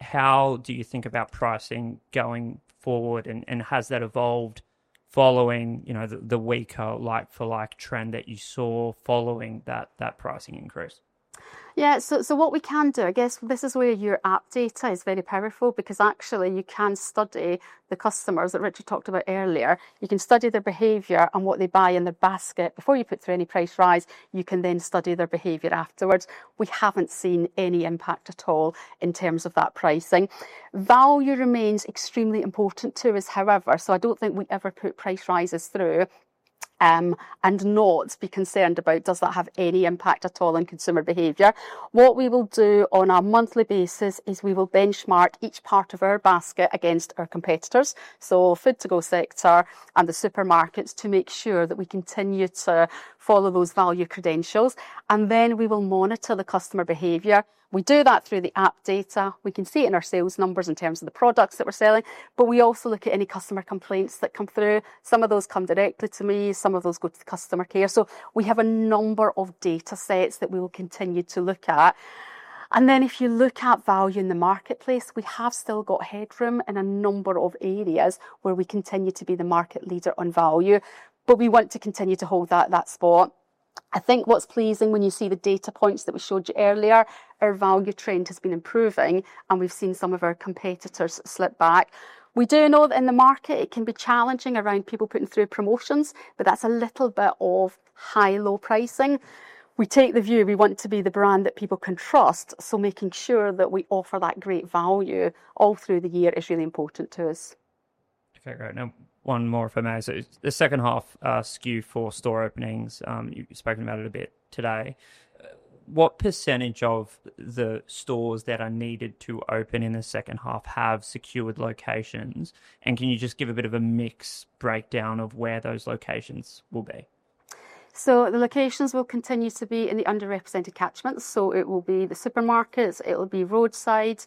how do you think about pricing going forward, and has that evolved following the weaker like-for-like trend that you saw following that pricing increase? Yeah. What we can do, I guess this is where your app data is very powerful because actually you can study the customers that Richard talked about earlier. You can study their behavior and what they buy in the basket before you put through any price rise. You can then study their behavior afterwards. We haven't seen any impact at all in terms of that pricing. Value remains extremely important to us, however, so I don't think we ever put price rises through and not be concerned about does that have any impact at all on consumer behavior. What we will do on a monthly basis is we will benchmark each part of our basket against our competitors. Food to go sector and the supermarkets to make sure that we continue to follow those value credentials. We will monitor the customer behavior. We do that through the app data. We can see it in our sales numbers in terms of the products that we're selling, but we also look at any customer complaints that come through. Some of those come directly to me, some of those go to the customer care. We have a number of data sets that we will continue to look at. If you look at value in the marketplace, we have still got headroom in a number of areas where we continue to be the market leader on value, but we want to continue to hold that spot. I think what's pleasing when you see the data points that we showed you earlier, our value trend has been improving and we've seen some of our competitors slip back. We do know that in the market it can be challenging around people putting through promotions, but that's a little bit of high, low pricing. We take the view we want to be the brand that people can trust. Making sure that we offer that great value all through the year is really important to us. One more, if I may. The second half skew for store openings, you've spoken about it a bit today. What % of the stores that are needed to open in the second half have secured locations, and can you just give a bit of a mix breakdown of where those locations will be? The locations will continue to be in the underrepresented catchments. It will be the supermarkets, roadside,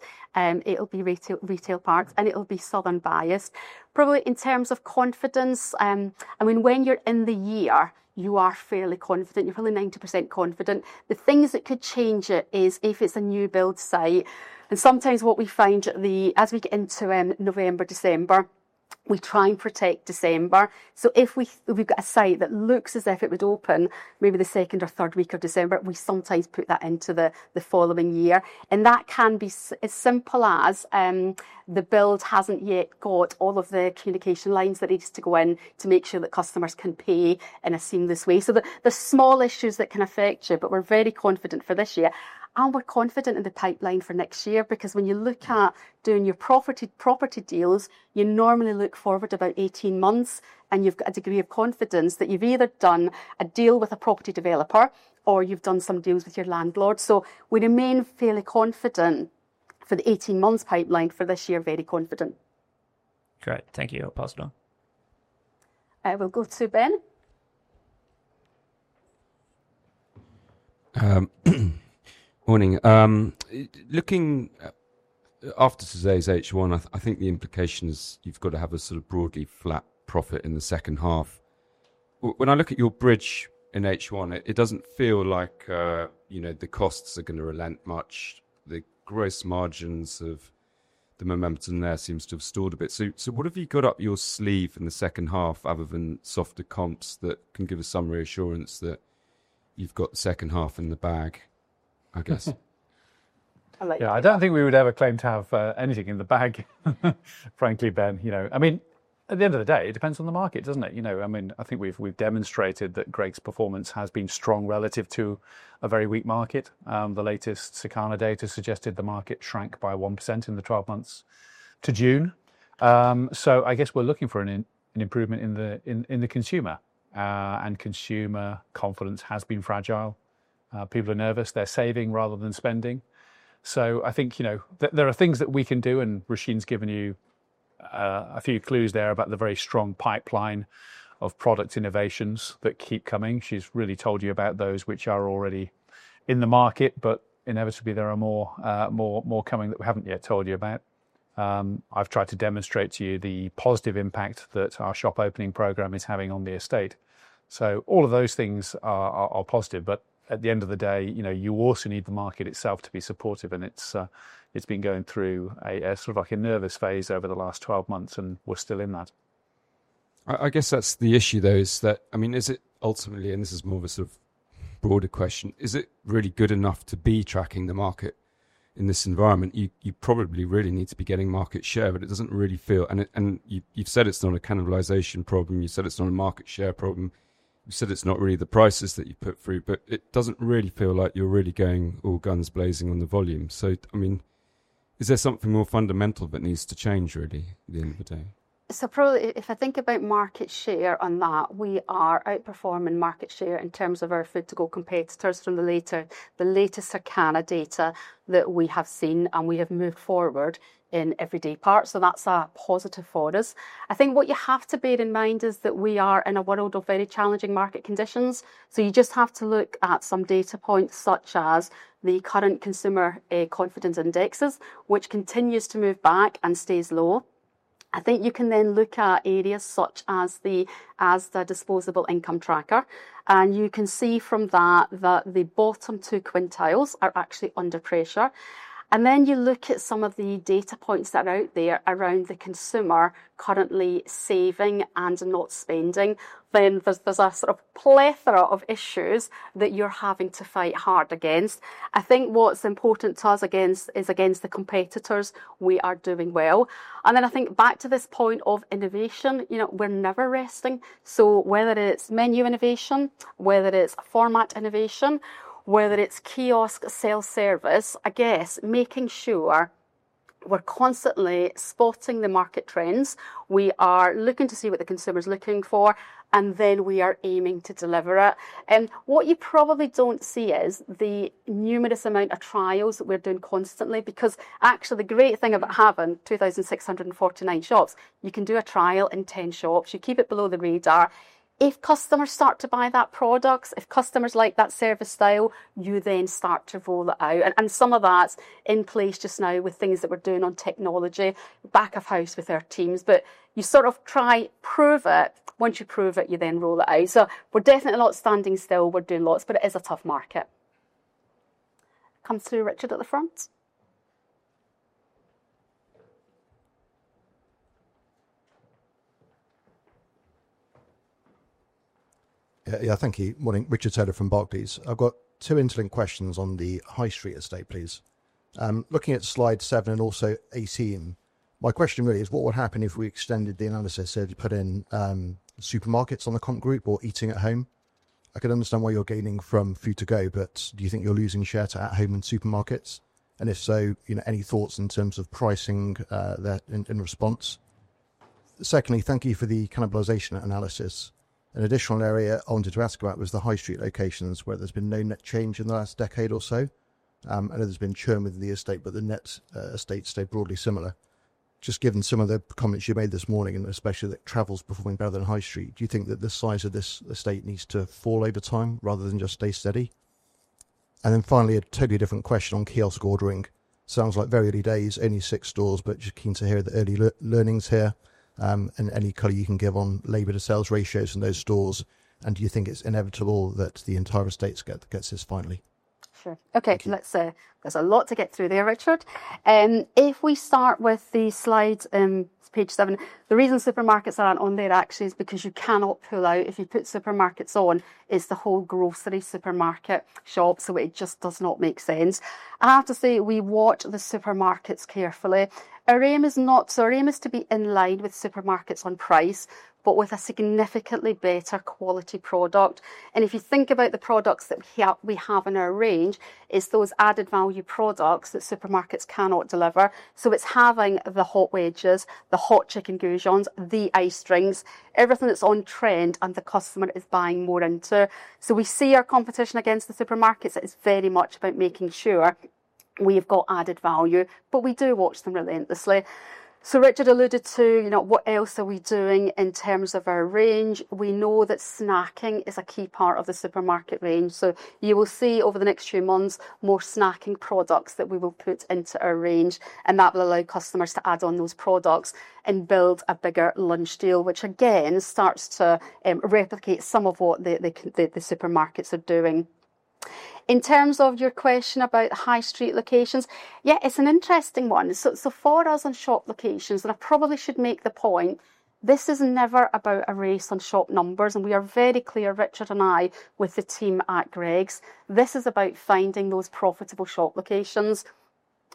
retail parks, and it will be southern bias. Probably in terms of confidence, when you're in the year you are fairly confident, you're probably 90% confident. The things that could change it is if it's a new build site and sometimes what we find as we get into November, December, we try and protect December. If we've got a site that looks as if it would open maybe the second or third week of December, we sometimes put that into the following year. That can be as simple as the build hasn't yet got all of the communication lines that needed to go in to make sure that customers can pay in a secure way. The small issues can affect you. We're very confident for this year and we're confident in the pipeline for next year because when you look at doing your property deals, you normally look forward about 18 months and you've got a degree of confidence that you've either done a deal with a property developer or you've done some deals with your landlord. We remain fairly confident for the 18 months pipeline for this year. Very confident. Great. Thank you, Opal. I will go to Ben. Morning. Looking after today's H1, I think the implication is you've got to have a sort of broadly flat profit in the second half. When I look at your bridge in H1, it doesn't feel like, you know, the costs are going to relent much. The gross margins, the momentum there seems to have stalled a bit. What have you got up your sleeve in the second half, other than softer comps that can give us some reassurance that you've got the second half in the bag? I guess I don't think we would ever claim to have anything in the bag, frankly, Ben, you know, I mean, at the end of the day it depends on the market, doesn't it? I mean, I think we've demonstrated that Greggs' performance has been strong relative to a very weak market. The latest Circana data suggested the market shrank by 1% in the 12 months to June. I guess we're looking for an improvement in the consumer, and consumer confidence has been fragile. People are nervous, they're saving rather than spending. I think there are things that we can do. Roisin's given you a few clues there about the very strong pipeline of product innovations that keep coming. She's really told you about those which are already in the market. Inevitably there are more coming that we haven't yet told you about. I've tried to demonstrate to you the positive impact that our shop opening program is having on the estate. All of those things are positive, but at the end of the day you also need the market itself to be supportive. It's been going through a nervous phase over the last 12 months and we're still in that. I guess that's the issue though, is that is it ultimately, and this is more of a sort of broader question, is it really good enough to be tracking the market in this environment? You probably really need to be getting market share, but it doesn't really feel, and you've said it's not a cannibalization problem, you said it's not a market share problem, you said it's not really the prices that you put through, but it doesn't really feel like you're really going all guns blazing on the volume. Is there something more fundamental that needs to change really? If I think about market share on that, we are outperforming market share in terms of our food to go competitors from the latest Circana data that we have seen, and we have moved forward in every daypart. That's a positive for us. I think what you have to bear in mind is that we are in a world of very challenging market conditions. You just have to look at some data points such as the current consumer confidence indexes, which continue to move back and stay low below. I think you can then look at areas such as the disposable income tracker, and you can see from that that the bottom two quintiles are actually under pressure. You look at some of the data points that are out there around the consumer currently saving and not spending. There's a sort of plethora of issues that you're having to fight hard against. I think what's important to us is against the competitors we are doing well. I think back to this innovation, you know, we're never resting. Whether it's menu innovation, whether it's format innovation, whether it's self-service kiosks, making sure we're constantly spotting the market trends, we are looking to see what the consumer's looking for, and we are aiming to deliver it. What you probably don't see is the numerous amount of trials that we're doing constantly. The great thing about having 2,649 shops is you can do a trial in 10 shops. You keep it below the radar. If customers start to buy that product, if customers like that service style, you then start to roll it out. Some of that's in place just now with things that we're doing on technology back of house with our teams. You sort of try, prove it. Once you prove it, you then roll it out. We're definitely not standing still. We're doing lots, but it is a tough market. Come to Richard at the front. Yeah, thank you. Morning. Richard Taylor from Barclays. I've got two interlinked questions on the High Street estate, please. Looking at slide 7 and also 18, my question really is what would happen if we extended the analysis, put in supermarkets on the comp group or eating at home. I could understand why you're gaining from food to go, but do you think you're losing share to at home in supermarkets and if so, any thoughts in terms of pricing that in response? Secondly, thank you for the cannibalization analysis. An additional area I wanted to ask about was the High Street locations where there's been no net change in the last decade or so. I know there's been churn with the estate but the net estate stayed broadly similar. Just given some of the comments you made this morning, and especially that travel's performing better than High Street, do you think that the size of this estate needs to fall over time rather than just stay steady? Finally, a totally different question on kiosk ordering. Sounds like very early days, only six stores, but just keen to hear the early learnings here and any color you can give on labor to sales ratios in those stores. Do you think it's inevitable that the entire estate gets this finally? Sure. Okay, let's. There's a lot to get through there. Richard, if we start with the slide page 7, the reason supermarkets aren't on there actually is because you cannot pull out if you put supermarkets on. It's the whole grocery supermarket shop. It just does make sense. I have to say we watch the supermarkets carefully. Our aim is not so. Our aim is to be in line with supermarkets on price but with a significantly better quality product. If you think about the products that we have in our range, it's those added value products that supermarkets cannot deliver. It's having the hot wedges, the hot chicken goujons, the over-ice drinks, everything that's on trend and the customer is buying more into it. We see our competition against the supermarkets. It's very much about making sure we have got added value, but we do watch them relentlessly. Richard alluded to, what else are we doing in terms of our range? We know that snacking is a key part of the supermarket range. You will see over the next few months more snacking products that we will put into our range and that will allow customers to add on those products and build a bigger lunch deal, which again starts to replicate some of what the supermarkets are doing. In terms of your question about high street locations, yeah, it's an interesting one. For us on shop locations, and I probably should make the point, this is never about a race on shop numbers and we are very clear, Richard and I, with the team at Greggs, this is about finding those profitable shop locations.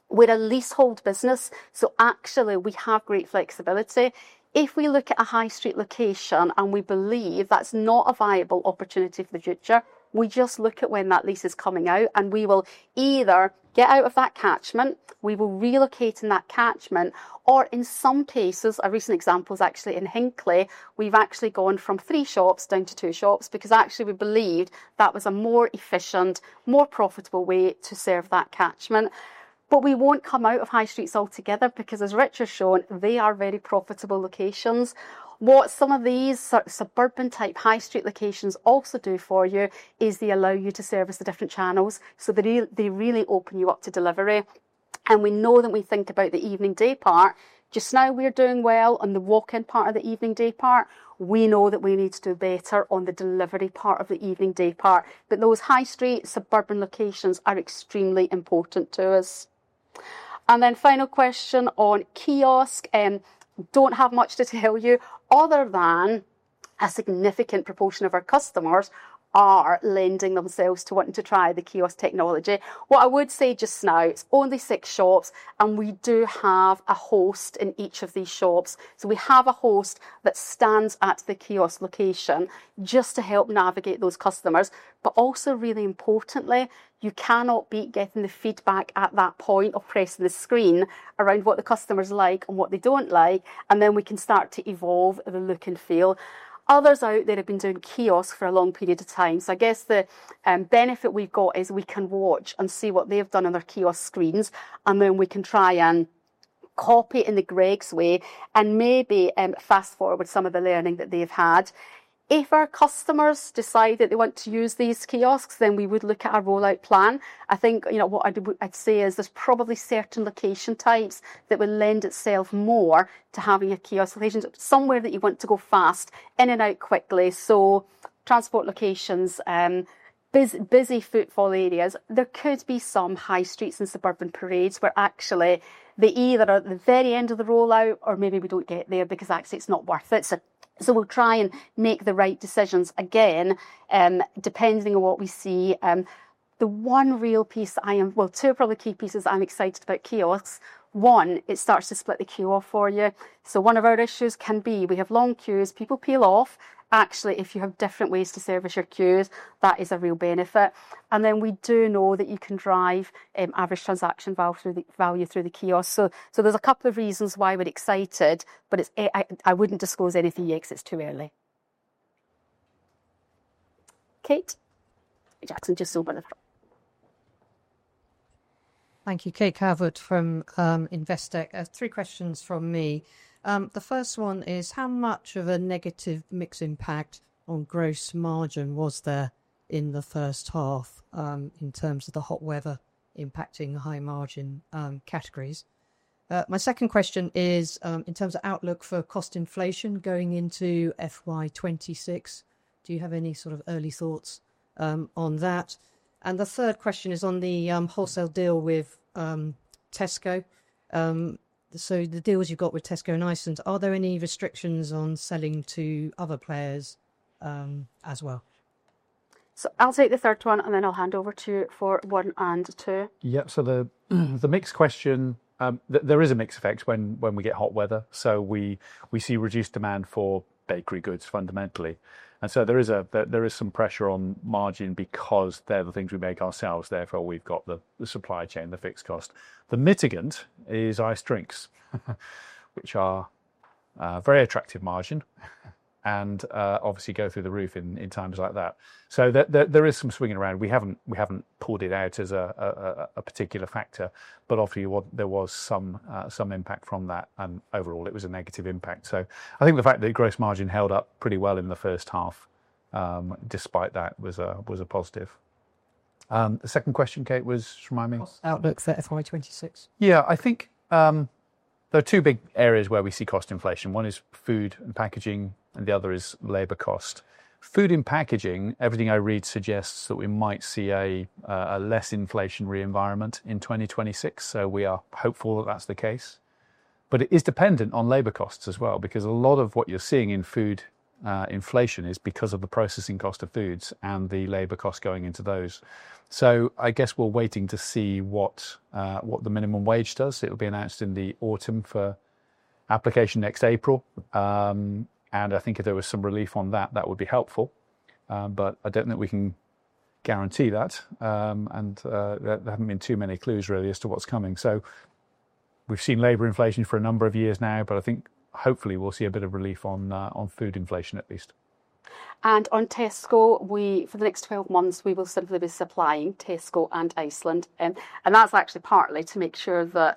We're a leasehold business, so actually we have great flexibility. If we look at a high street location and we believe that's not viable opportunity for the future, we just look at when that lease is coming out and we will either get out of that catchment, we will relocate in that catchment, or in some cases, a recent example is actually in Hinckley. We've actually gone from three shops down to two shops because actually we believed that was a more efficient, more profitable way to serve that catchment. We won't come out of high streets altogether because as Richard has shown, they are very profitable locations. What some of these suburban type high street locations also do for you is they allow you to service the different channels so they really open you up to delivery. We know that we think about the evening day part just now we're doing well on the walk in part of the evening day part. We know that we need to do better on the delivery part of the evening day part. Those high street suburban locations are extremely important to us. Final question on kiosk. I don't have much to tell you other than a significant proportion of our customers are lending themselves to wanting to try the kiosk technology. What I would say just now, it's only six shops and we do have a host in each of these shops. We have a host that stands at the kiosk location just to help navigate those customers. Also, really importantly, you cannot beat getting the feedback at that point of pressing the screen around what the customers like and what they don't like. We can start to evolve the look and feel. Others out there have been doing kiosks for a long period of time. I guess the benefit we've got is we can watch and see what they've done on their kiosk screens and then we can try and copy in the Greggs way and maybe fast forward some of the learning that they've had. If our customers decide that they want to use these kiosks, then we would look at our rollout plan. I think what I'd say is there's probably certain location types that will lend itself more to having a kiosk location, somewhere that you want to go fast in and out quickly. Transport locations, busy footfall areas, there could be some high streets and suburban parades where actually they either are at the very end of the rollout or maybe we don't get there because actually it's not worth it. We'll try and make the right decisions again depending on what we see. The one real piece I am, two probably key pieces I'm excited about keeping kiosks. One, it starts to split the queue off for you. One of our issues can be we have long queues, people peel off. Actually, if you have different ways to service your queues, that is a real benefit. We do know that you can drive average transaction value through the kiosk. There's a couple of reasons why we're excited but I wouldn't disclose anything yet because it's too early. Kate Jackson, just benefit. Thank you. Kate Cavut from Investec. Three questions from me. The first one is how much of a negative mix impact on gross margin was there in the first half in terms of the hot weather impacting high margin categories. My second question is in terms of outlook for cost inflation going into FY2020, do you have any sort of early thoughts on that? The third question is on the wholesale deal with Tesco. The deals you've got with Tesco and Iceland, are there any restrictions on selling to other players as well? I'll take the third one and then I'll hand over to you for one and two. Yep. The mixed question, there is a mix effect when we get hot weather. We see reduced demand for bakery goods fundamentally, and there is some pressure on margin because they're the things we make ourselves. Therefore, we've got the supply chain, the fixed cost. The mitigant is iced drinks, which are very attractive margin and obviously go through the roof in times like that. There is some swinging around. We haven't pulled it out as a particular factor, but obviously there was some impact from that, and overall it was a negative impact. I think the fact that gross margin held up pretty well in the first half, despite that, was a positive. The second question, Kate, was, remind me. Cost outlook for FY2026. Yeah. I think there are two big areas where we see cost inflation. One is food and packaging, and the other is labor cost, food and packaging. Everything I read suggests that we might see a less inflationary environment in 2026. We are hopeful that that's the case, but it is dependent on labor costs as well, because a lot of what you're seeing in food, food inflation, is because of the processing cost of foods and the labor costs going into those. I guess we're waiting to see what the minimum wage does. It'll be announced in the autumn for application next April. I think if there was some relief on that, that would be helpful, but I don't think we can guarantee that, and there haven't been too many clues really as to what's coming. We've seen labor inflation for a number of years now, but I think hopefully we'll see a bit of relief on food inflation at least. On Tesco for the next 12 months, we will simply be supplying Tesco and Iceland. That's actually partly to make sure that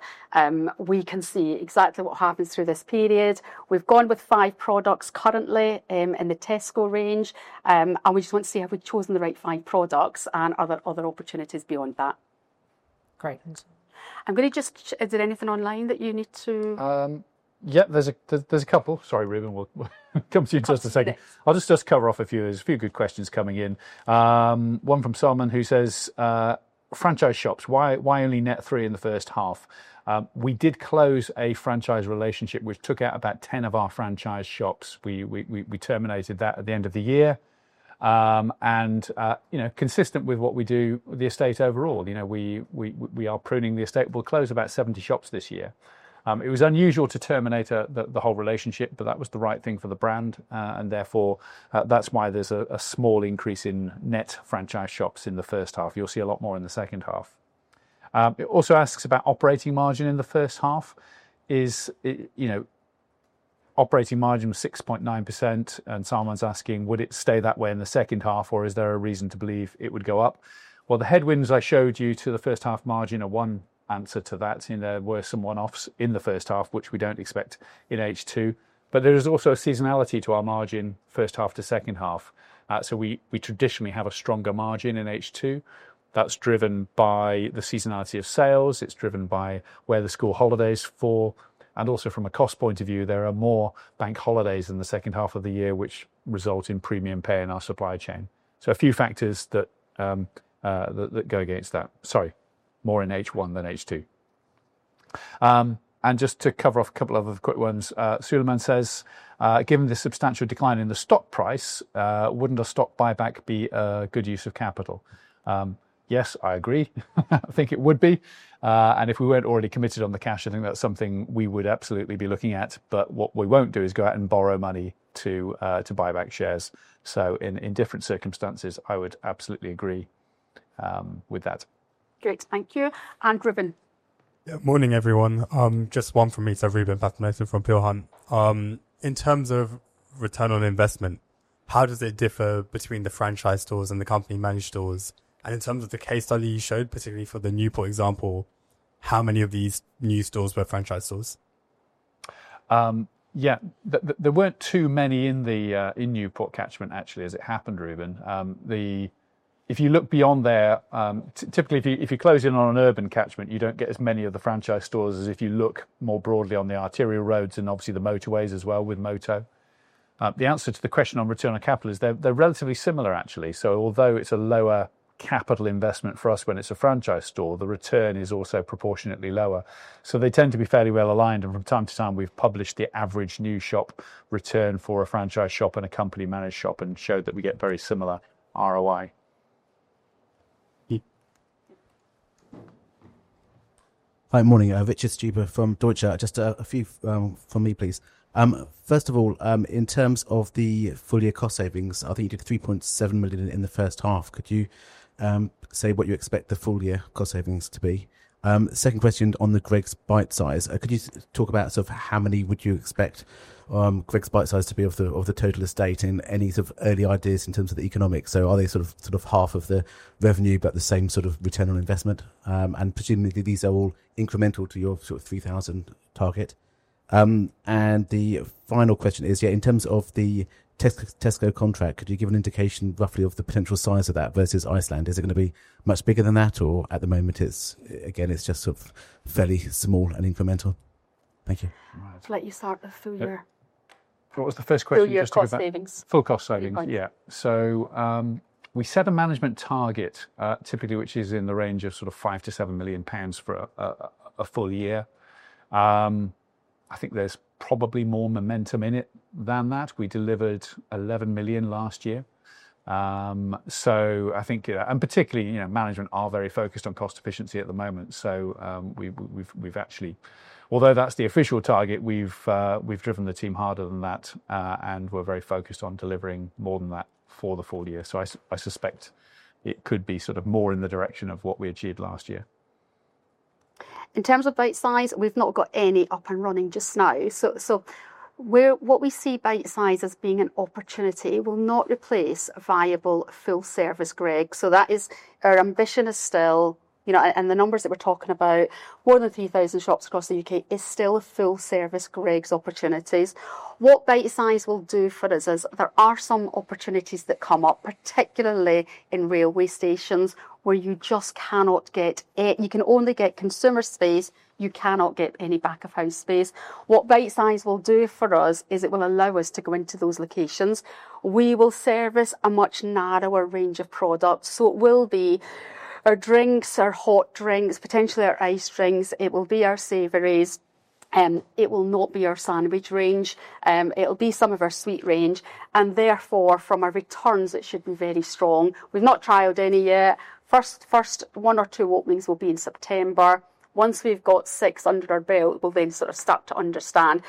we can see exactly what happens through this period. We've gone with five products currently in the Tesco range, and we just want to see if we've chosen the right five products. Are there other opportunities beyond that? Right, is there anything online that you need to. Yep, there's a couple. Sorry, Ruben, we'll come to you in just a second. I'll just cover off a few. There's a few good questions coming in. One from Salman, who says, franchise shops, why only net 3 in the first half? We did close a franchise relationship which took out about 10 of our franchise shops. We terminated that at the end of the year and, you know, consistent with what we do, the estate overall, you know, we are pruning the estate. We'll close about 70 shops this year. It was unusual to terminate the whole relationship, but that was the right thing for the brand and therefore that's why there's a small increase in net franchise shops in the first half. You'll see a lot more in the second half. It also asks about operating margin in the first half is, you know, operating margin was 6.9%. Salman's asking, would it stay that way in the second half or is there a reason to believe it would go up? The headwinds I showed you to the first half margin, I one answer to that. There were some one offs in the first half which we don't expect in H2. There is also a seasonality to our margin, first half to second half. We traditionally have a stronger margin in H2. That's driven by the seasonality of sales, it's driven by where the school holidays fall. Also from a cost point of view, there are more bank holidays in the second half of the year which result in premium pay in our supply chain. A few factors go against that. Sorry, more in H1 than H2. Just to cover off a couple of quick ones, Suleiman says, given the substantial decline in the stock price, wouldn't a stock buyback be a good use of capital? Yes, I agree. I think it would be. If we weren't already committed on the cash, I think that's something we would absolutely be looking at. What we won't do is go out and borrow money to buy back shares. In different circumstances, I would absolutely agree with that. Great, thank you. Ruben. Morning everyone. Just one from me, Reuben Fosa from Peel Hunt. In terms of return on investment, how does it differ between the franchise shops and the company-managed shops? In terms of the case study you showed, particularly for the Newport example, how many of these new shops were franchise shops? There weren't too many in the Newport catchment, actually, as it happened, Reuben. If you look beyond there, typically if you close in on an urban catchment, you don't get as many of the franchise shops as if you look more broadly on the arterial roads and obviously the motorways as well. With Moto, the answer to the question on return on capital is they're relatively similar, actually. Although it's a lower capital investment for us when it's a franchise shop, the return is also proportionately lower. They tend to be fairly well aligned. From time to time we've published the average new shop return for a franchise shop and a company-managed shop and showed that we get very similar ROI. Hi, morning. Richard Stupa from Deutsche. Just a few from me, please. First of all, in terms of the full year cost savings, I think you did £3.7 million in the first half, could you say what you expect the full year cost savings to be? Second question on the Bite Size Greggs. Could you talk about sort of how many would you expect Greggs Bite Size. Of the total estate, any sort of early ideas in terms of the economics? Are they sort of. Half of the revenue, but the same. sort of return on investment? Presumably these are all incremental to your 3,000 target. In terms of the Tesco contract, could you give an indication roughly of the potential size of that versus Iceland? Is it going to be much bigger than that or at the moment it's just sort of fairly small and incremental. Thank you. Let you start the full year. What was the first question? Full cost savings. Yeah. We set a management target, typically, which is in the range of £5 million to £7 million for a full year. I think there's probably more momentum in it than that. We delivered £11 million last year. I think, and particularly management are very focused on cost efficiency at the moment. Although that's the official target, we've driven the team harder than that and we're very focused on delivering more than that for the full year. I suspect it could be more in the direction of what we achieved last year. In terms of Bite Size Greggs, we've not got any up and running just now. What we see Bite Size Greggs as being is an opportunity that will not replace viable full service Greggs. That is our ambition still, you know, and the numbers that we're talking about, more than 3,000 shops across the UK, is still a full service Greggs opportunity. What Bite Size Greggs will do for us is there are some opportunities that come up, particularly in railway stations where you just cannot get it and you can only get consumer sales space. You cannot get any back of house space. What Bite Size Greggs will do for us is it will allow us to go into those locations. We will service a much narrower range of products. It will be our drinks, our hot drinks, potentially our over-ice drinks, it will be our savouries, it will not be our sandwich range, it'll be some of our sweet treats and therefore from our returns, it should be very strong. We've not trialed any yet. First one or two openings will be in September. Once we've got six under our belt, we'll then sort of start to understand.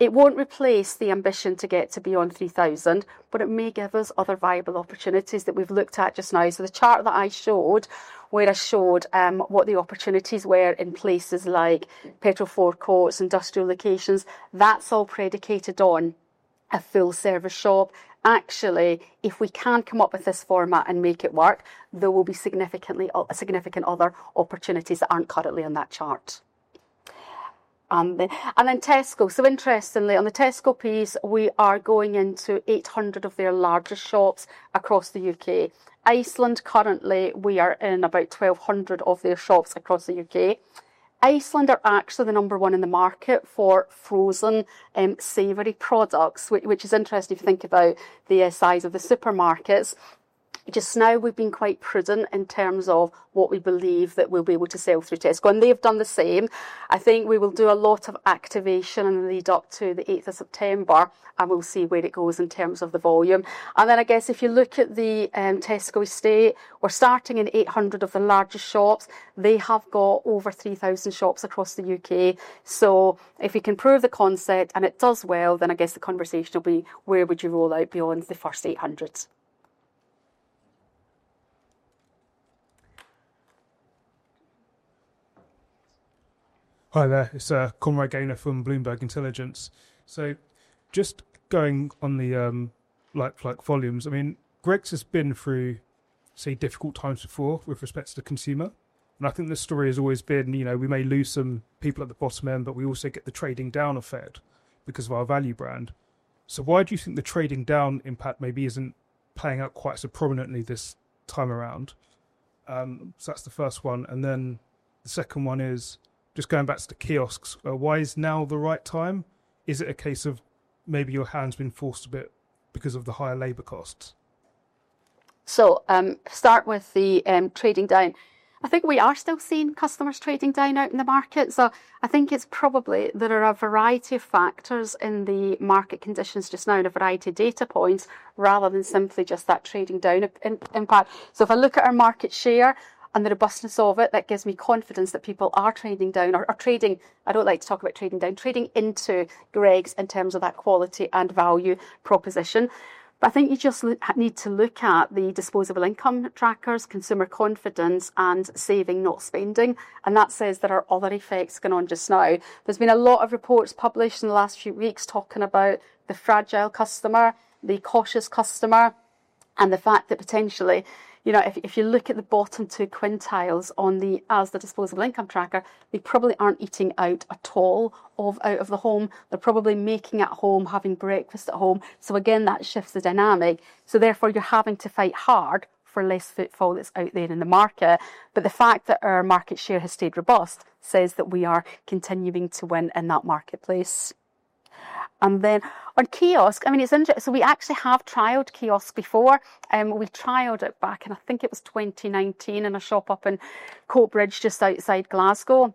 It won't replace the ambition to get to beyond 3,000, but it may give us other viable opportunities that we've looked at just now. The chart that I showed, where I showed what the opportunities were in places like petrol forecourts, industrial locations, that's all predicated on a full service shop job. Actually, if we can come up with this format and make it work, there will be significant other opportunities that aren't currently on that chart. On Tesco, interestingly, we are going into 800 of their largest shops across the UK. Iceland Foods, currently we are in about 1,200 of their shops across the UK. Iceland Foods are actually the number one in the market for frozen savoury products, which is interesting if you think about the size of the supermarkets just now. We've been quite prudent in terms of what we believe that we'll be able to sell through Tesco and they've done the same. I think we will do a lot of activation and lead up to the 8th of September and we'll see where it goes in terms of the volume. If you look at the Tesco estate, we're starting in 800 of the largest shops. They have got over 3,000 shops across the UK. If we can prove the concept and it does well, then I guess the conversation will be where would you roll out beyond the first 800? Hi there, it's Comrade Gaynor from Bloomberg Intelligence. Just going on the like-for-like volumes, I mean Greggs has been through, say, difficult times before with respect to the connection to the consumer. I think the story has always been we may lose some people at the bottom end, but we also get the trading down effect because of our value brand. Why do you think the trading down impact maybe isn't playing out quite so prominently this time around? That's the first one, and then the second one is just going back to the self-service kiosks. Why is now the right time? Is it a case of maybe your hand's been forced a bit because of the higher labor costs? Start with the trading down. I think we are still seeing customers trading down out in the market. I think there are a variety of factors in the market conditions just now and a variety of data points rather than simply just that trading down impact. If I look at our market share and the robustness of it, that gives me confidence that people are trading down or trading. I don't like to talk about trading down, trading into Greggs in terms of that quality and value proposition. I think you just need to look at the disposable income trackers, consumer confidence and saving, not spending. That says there are other effects going on just now. There have been a lot of reports published in the last few weeks talking about the fragile customer, the cautious customer, and the fact that potentially, if you look at the bottom two quintiles on the disposable income tracker, they probably aren't eating out at all out of the home, they're probably making at home, having breakfast at home. That shifts the dynamic. Therefore, you're having to fight hard for less footfall that's out there in the market. The fact that our market share has stayed robust says that we are continuing to win in that marketplace. On kiosk, it's interesting. We actually have trialed kiosk before. We trialed it back in, I think it was 2019, in a shop up in Coatbridge, just outside Glasgow.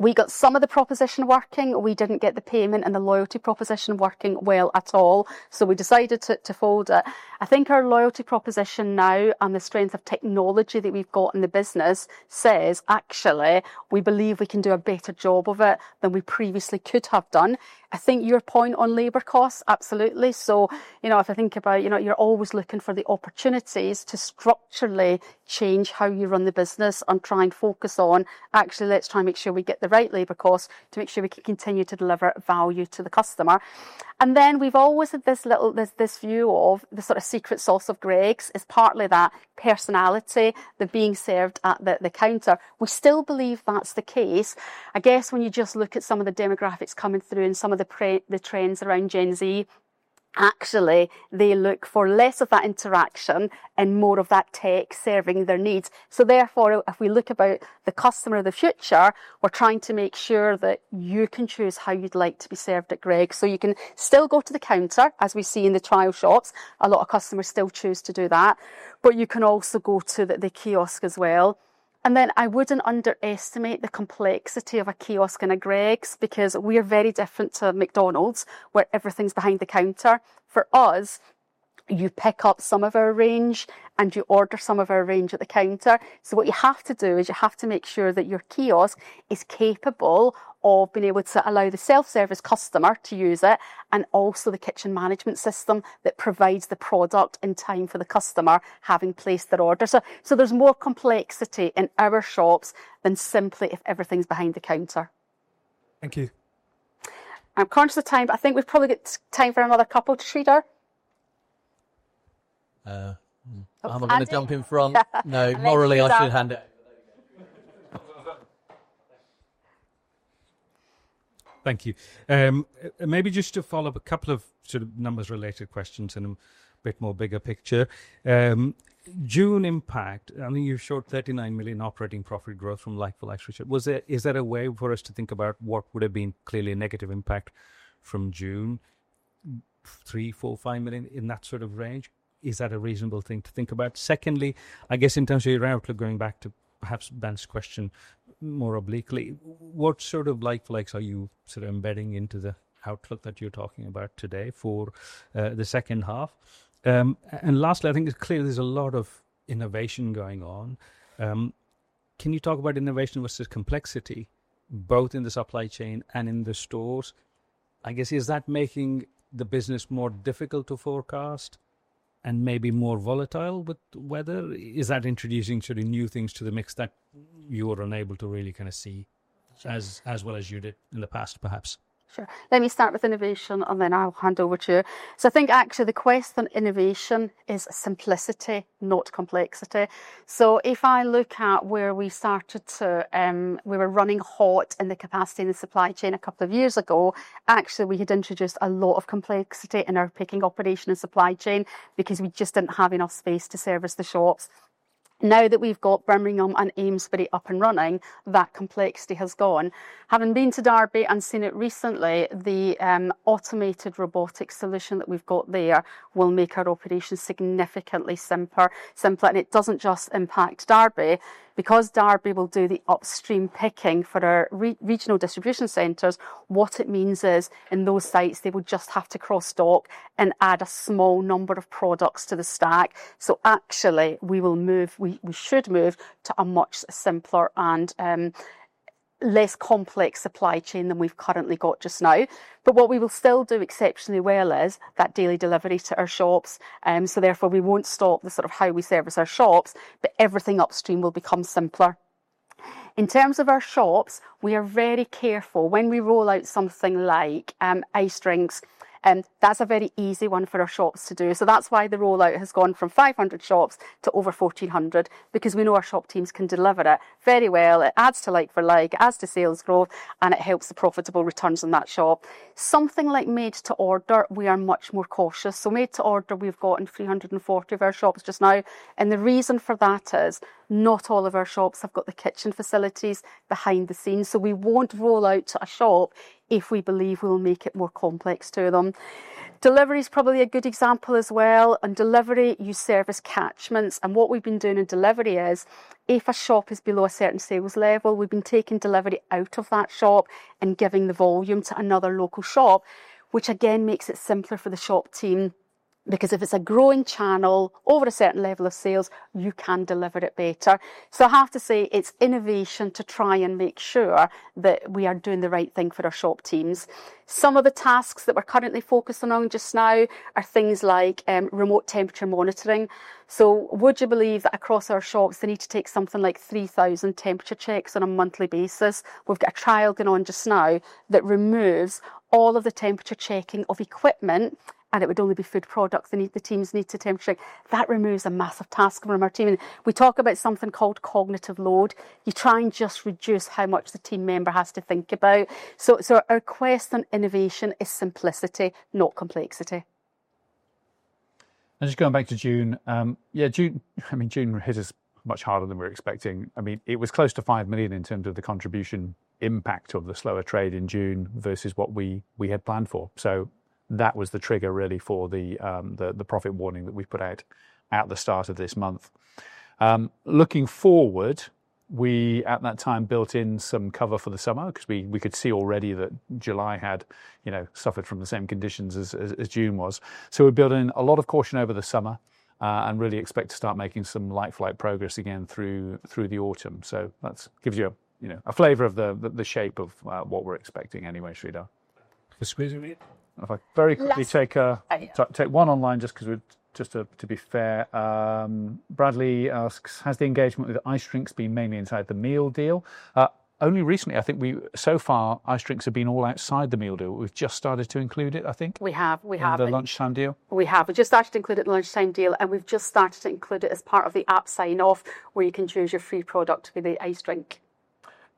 We got some of the proposition working. We didn't get the payment and the loyalty proposition working well at all, so we decided to fold it. I think our loyalty proposition now and the strength of technology that we've got in the business says actually we believe we can do a better job of it than we previously could have done. Your point on labor costs, absolutely. If I think about it, you're always looking for the opportunities to structurally change how you run the business and try and focus on actually making sure we get the right labor costs to make sure we continue to deliver value to the customer. We've always had this view of the sort of secret sauce of Greggs is partly that personality, the being served at the counter. We still believe that's the case. I guess when you just look at some of the demographics coming through and some of the trends around Gen Z, actually they look for less of that interaction and more of that tech serving their needs. Therefore, if we look at the customer of the future, we're trying to make sure that you can choose how you'd like to be served at Greggs, so you can still go to the counter. As we see in the trial shops, a lot of customers still choose to do that, but you can also go to the kiosk as well. I wouldn't underestimate the complexity of a kiosk in a Greggs, because we are very different to McDonald's, where everything's behind the counter for us. You pick up some of our range and you order some of our range at the counter. What you have to do is make sure that your kiosk is capable of being able to allow the self-service customer to use it and the kitchen management system that provides the product in time for the customer having placed their order. There's more complexity in our shops than simply if everything's behind the counter. Thank you. I'm conscious of time, but I think we've probably got time for another couple to treat her. Am I going to jump in front? No, morally I should hand it over. Thank you. Maybe just to follow up a couple of sort of numbers related questions and a bit more bigger picture. June impact. I mean you showed £39 million operating profit growth from like-for-like. Is that a way for us to think about what would have been clearly a negative impact from June, £3, £4, £5 million in that sort of range. Is that a reasonable thing to think about? Secondly, I guess in terms of your outlook, going back to perhaps Ben's question more obliquely, what sort of like-for-likes are you sort of embedding into the outlook that you're talking about today for the second half? Lastly, I think it's clear there's a lot of innovation going on. Can you talk about innovation versus complexity both in the supply chain and in the stores? I guess is that making the business more difficult to forecast and maybe more volatile with weather? Is that introducing sort of new things to the mix that you are unable to really kind of see as well as you did in the past, perhaps? Sure. Let me start with innovation and then I'll hand over to you. I think actually the question innovation is simplicity, not complexity. If I look at where we started to, we were running hot in the capacity in the supply chain a couple of years ago, actually we had introduced a lot of complexity in our picking operation and supply chain because we just didn't have enough space to service the shops. Now that we've got Birmingham and Amesbury up and running, that complexity has gone. Having been to Derby and seen it recently, the automated robotic solution that we've got there will make our operation significantly simpler. It doesn't just impact Derby because Derby will do the upstream picking for our regional distribution centers. What it means is in those sites they would just have to cross dock in and add a small number of products to the stack. We will move, we should move to a much simpler and less complex supply chain than we've currently got just now. What we will still do exceptionally well is that daily delivery to our shops. Therefore we won't stop the sort of how we service our shops, but everything upstream will become simpler. In terms of our shops we are very careful when we roll out something like over-ice drinks, and that's a very easy one for our shops to do. That's why the rollout has gone from 500 shops to over 1,400, because we know our shop teams can deliver it very well. It adds to like-for-like, adds to sales growth and it helps the profitable returns in that shop. Something like made to order, we are much more cautious. Made to order, we've got in 340 of our shops just now. The reason for that is not all of our shops have got the kitchen facilities behind the scenes. We won't roll out a shop if we believe we'll make it more complex to them. Delivery is probably a good example as well. On delivery, you service catchments and what we've been doing in delivery is if a shop is below a certain sales level, we've been taking delivery out of that shop and giving the volume to another local shop, which again makes it simpler for the shop team, because if it's a growing channel over a certain level of sales, you can deliver it better. I have to say it's innovation to try and make sure that we are doing the right thing for our shop team. Some of the tasks that we're currently focusing on just now are things like remote temperature monitoring. Would you believe that across our shops they need to take something like 3,000 temperature checks on a monthly basis? We've got a trial going on just now that removes all of the temperature checking of equipment, and it would only be food products the teams need to temperature. That removes a massive task from our team. We talk about something called cognitive load. You try and just reduce how much the team member has to think about. Our quest on innovation is simply simplicity, not complexity. Just going back to June, June hit us much harder than we were expecting. It was close to £5 million in terms of the contribution impact of the slower trade in June versus what we had planned for. That was the trigger for the profit warning that we put out at the start of this month. Looking forward, we at that time built in some cover for the summer because we could see already that July had suffered from the same conditions as June. We're building a lot of caution over the summer and really expect to start making some like-for-like progress again through the autumn. That gives you a flavor of the shape of what we're expecting. Anyway, Sridhar, if I very quickly take one online, just to be fair, Bradley asks, has the engagement with over-ice drinks been mainly inside the meal deal? Only recently, I think so far over-ice drinks have been all outside the meal deal. We've just started to include it. I think we have in the lunchtime deal. We have just started to include it at the lunchtime deal, and we've just started to include it as part of the Greggs App sign-off, where you can choose your free product to be. The iced drink,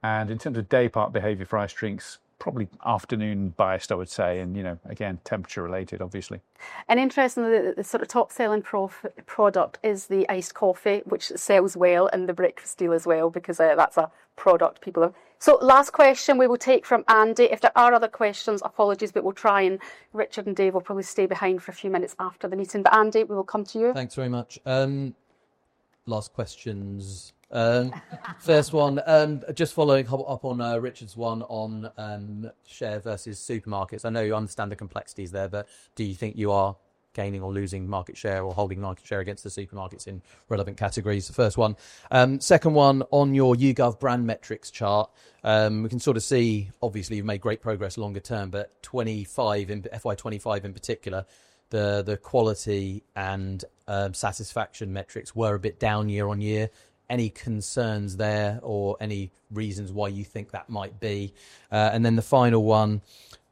and in terms of daypart behavior for iced drinks, probably afternoon biased I would say, and you know, again temperature related obviously and interestingly the. Sort of top selling product is the iced coffee, which sells well, and the breakfast deal as well because that's a product people. Last question we will take from Andy. If there are other questions, apologies, but we'll try. Richard and Dave will probably stay behind for a few minutes after the meeting, but Andy, we will come to you. Thanks very much. Last questions. First one, just following up on Richard's one on share versus supermarkets. I know you understand the complexities there, but do you think you are gaining or losing market share or holding market share against the supermarkets in relevant categories? The first one. Second one, on your YouGov brand metrics chart, we can sort of see obviously you've made great progress longer term, but in FY2025, in particular, the quality and satisfaction metrics were a bit down year on year. Any concerns there or any reasons why you think that might be? Then the final one,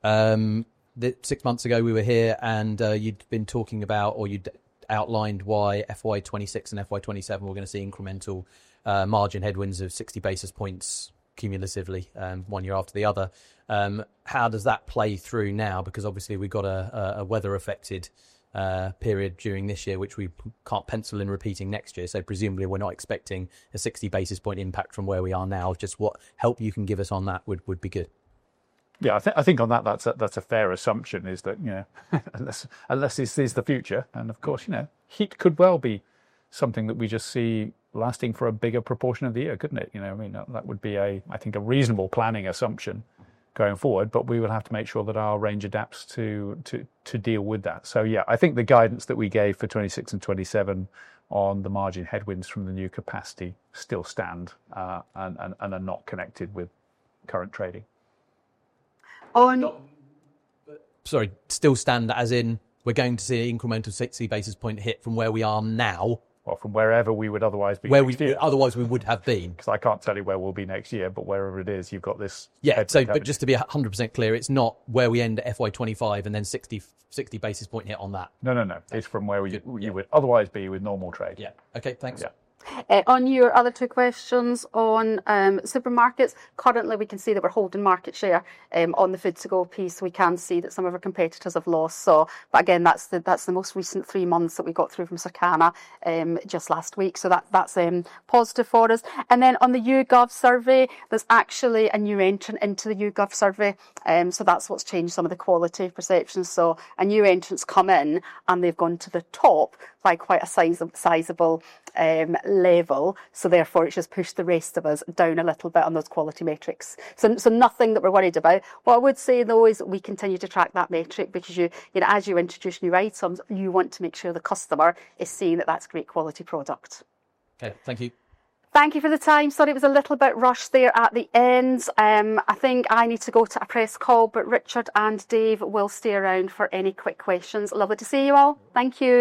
six months ago we were here and you'd been talking about or you'd outlined why FY2026 and FY2027 were going to see incremental margin headwinds of 60 basis points cumulatively one year after the other. How does that play through now? Because obviously we got a weather-affected period during this year, which we can't pencil in repeating next year, so presumably we're not expecting a 60 basis point impact from where we are now. Just what help you can give us on that would be good. Yeah, I think on that that's a fair assumption, you know, unless this is the future and of course, you know, heat could well be something that we just see lasting for a bigger proportion of the year, couldn't it? I mean, that would be, I think, a reasonable planning assumption going forward, but we will have to make sure that our range adapts to deal with that. I think the guidance that we gave for 2026 and 2027 on the margin headwinds from the new capacity still stand and are not connected with current trading. Sorry, still stand. As in, we're going to see an incremental 60 basis point hit from where. We are now or from wherever we. Otherwise, we would have been. Because I can't tell you where we'll be next year, but wherever it is, you've got this. Yeah. To be 100% clear, it's not where we end at FY2025 and then 60 basis point hit on that. No, it's from where you would otherwise be with normal trade. Yeah. Okay, thanks. On your other two questions on supermarkets, currently, we can see that we're holding market share on the food to go piece. We can see that some of our competitors have lost. That's the most recent three months that we got through from Circana just last week. That's positive for us. On the YouGov survey, there's actually a new entrant into the YouGov survey. That's what's changed some of the quality of perception. A new entrant's come in and they've gone to the top by quite a sizable level. Therefore, it's just pushed the rest of us down a little bit on those quality metrics. Nothing that we're worried about. What I would say, though, is we continue to track that metric because as you introduce new items, you want to make sure the customer is seeing that that's great quality product. Okay, thank you. Thank you for the time. Sorry it was a little bit rushed there at the end. I think I need to go to a press call, but Richard and Dave will stay around for any quick questions. Lovely to see you all. Thank you.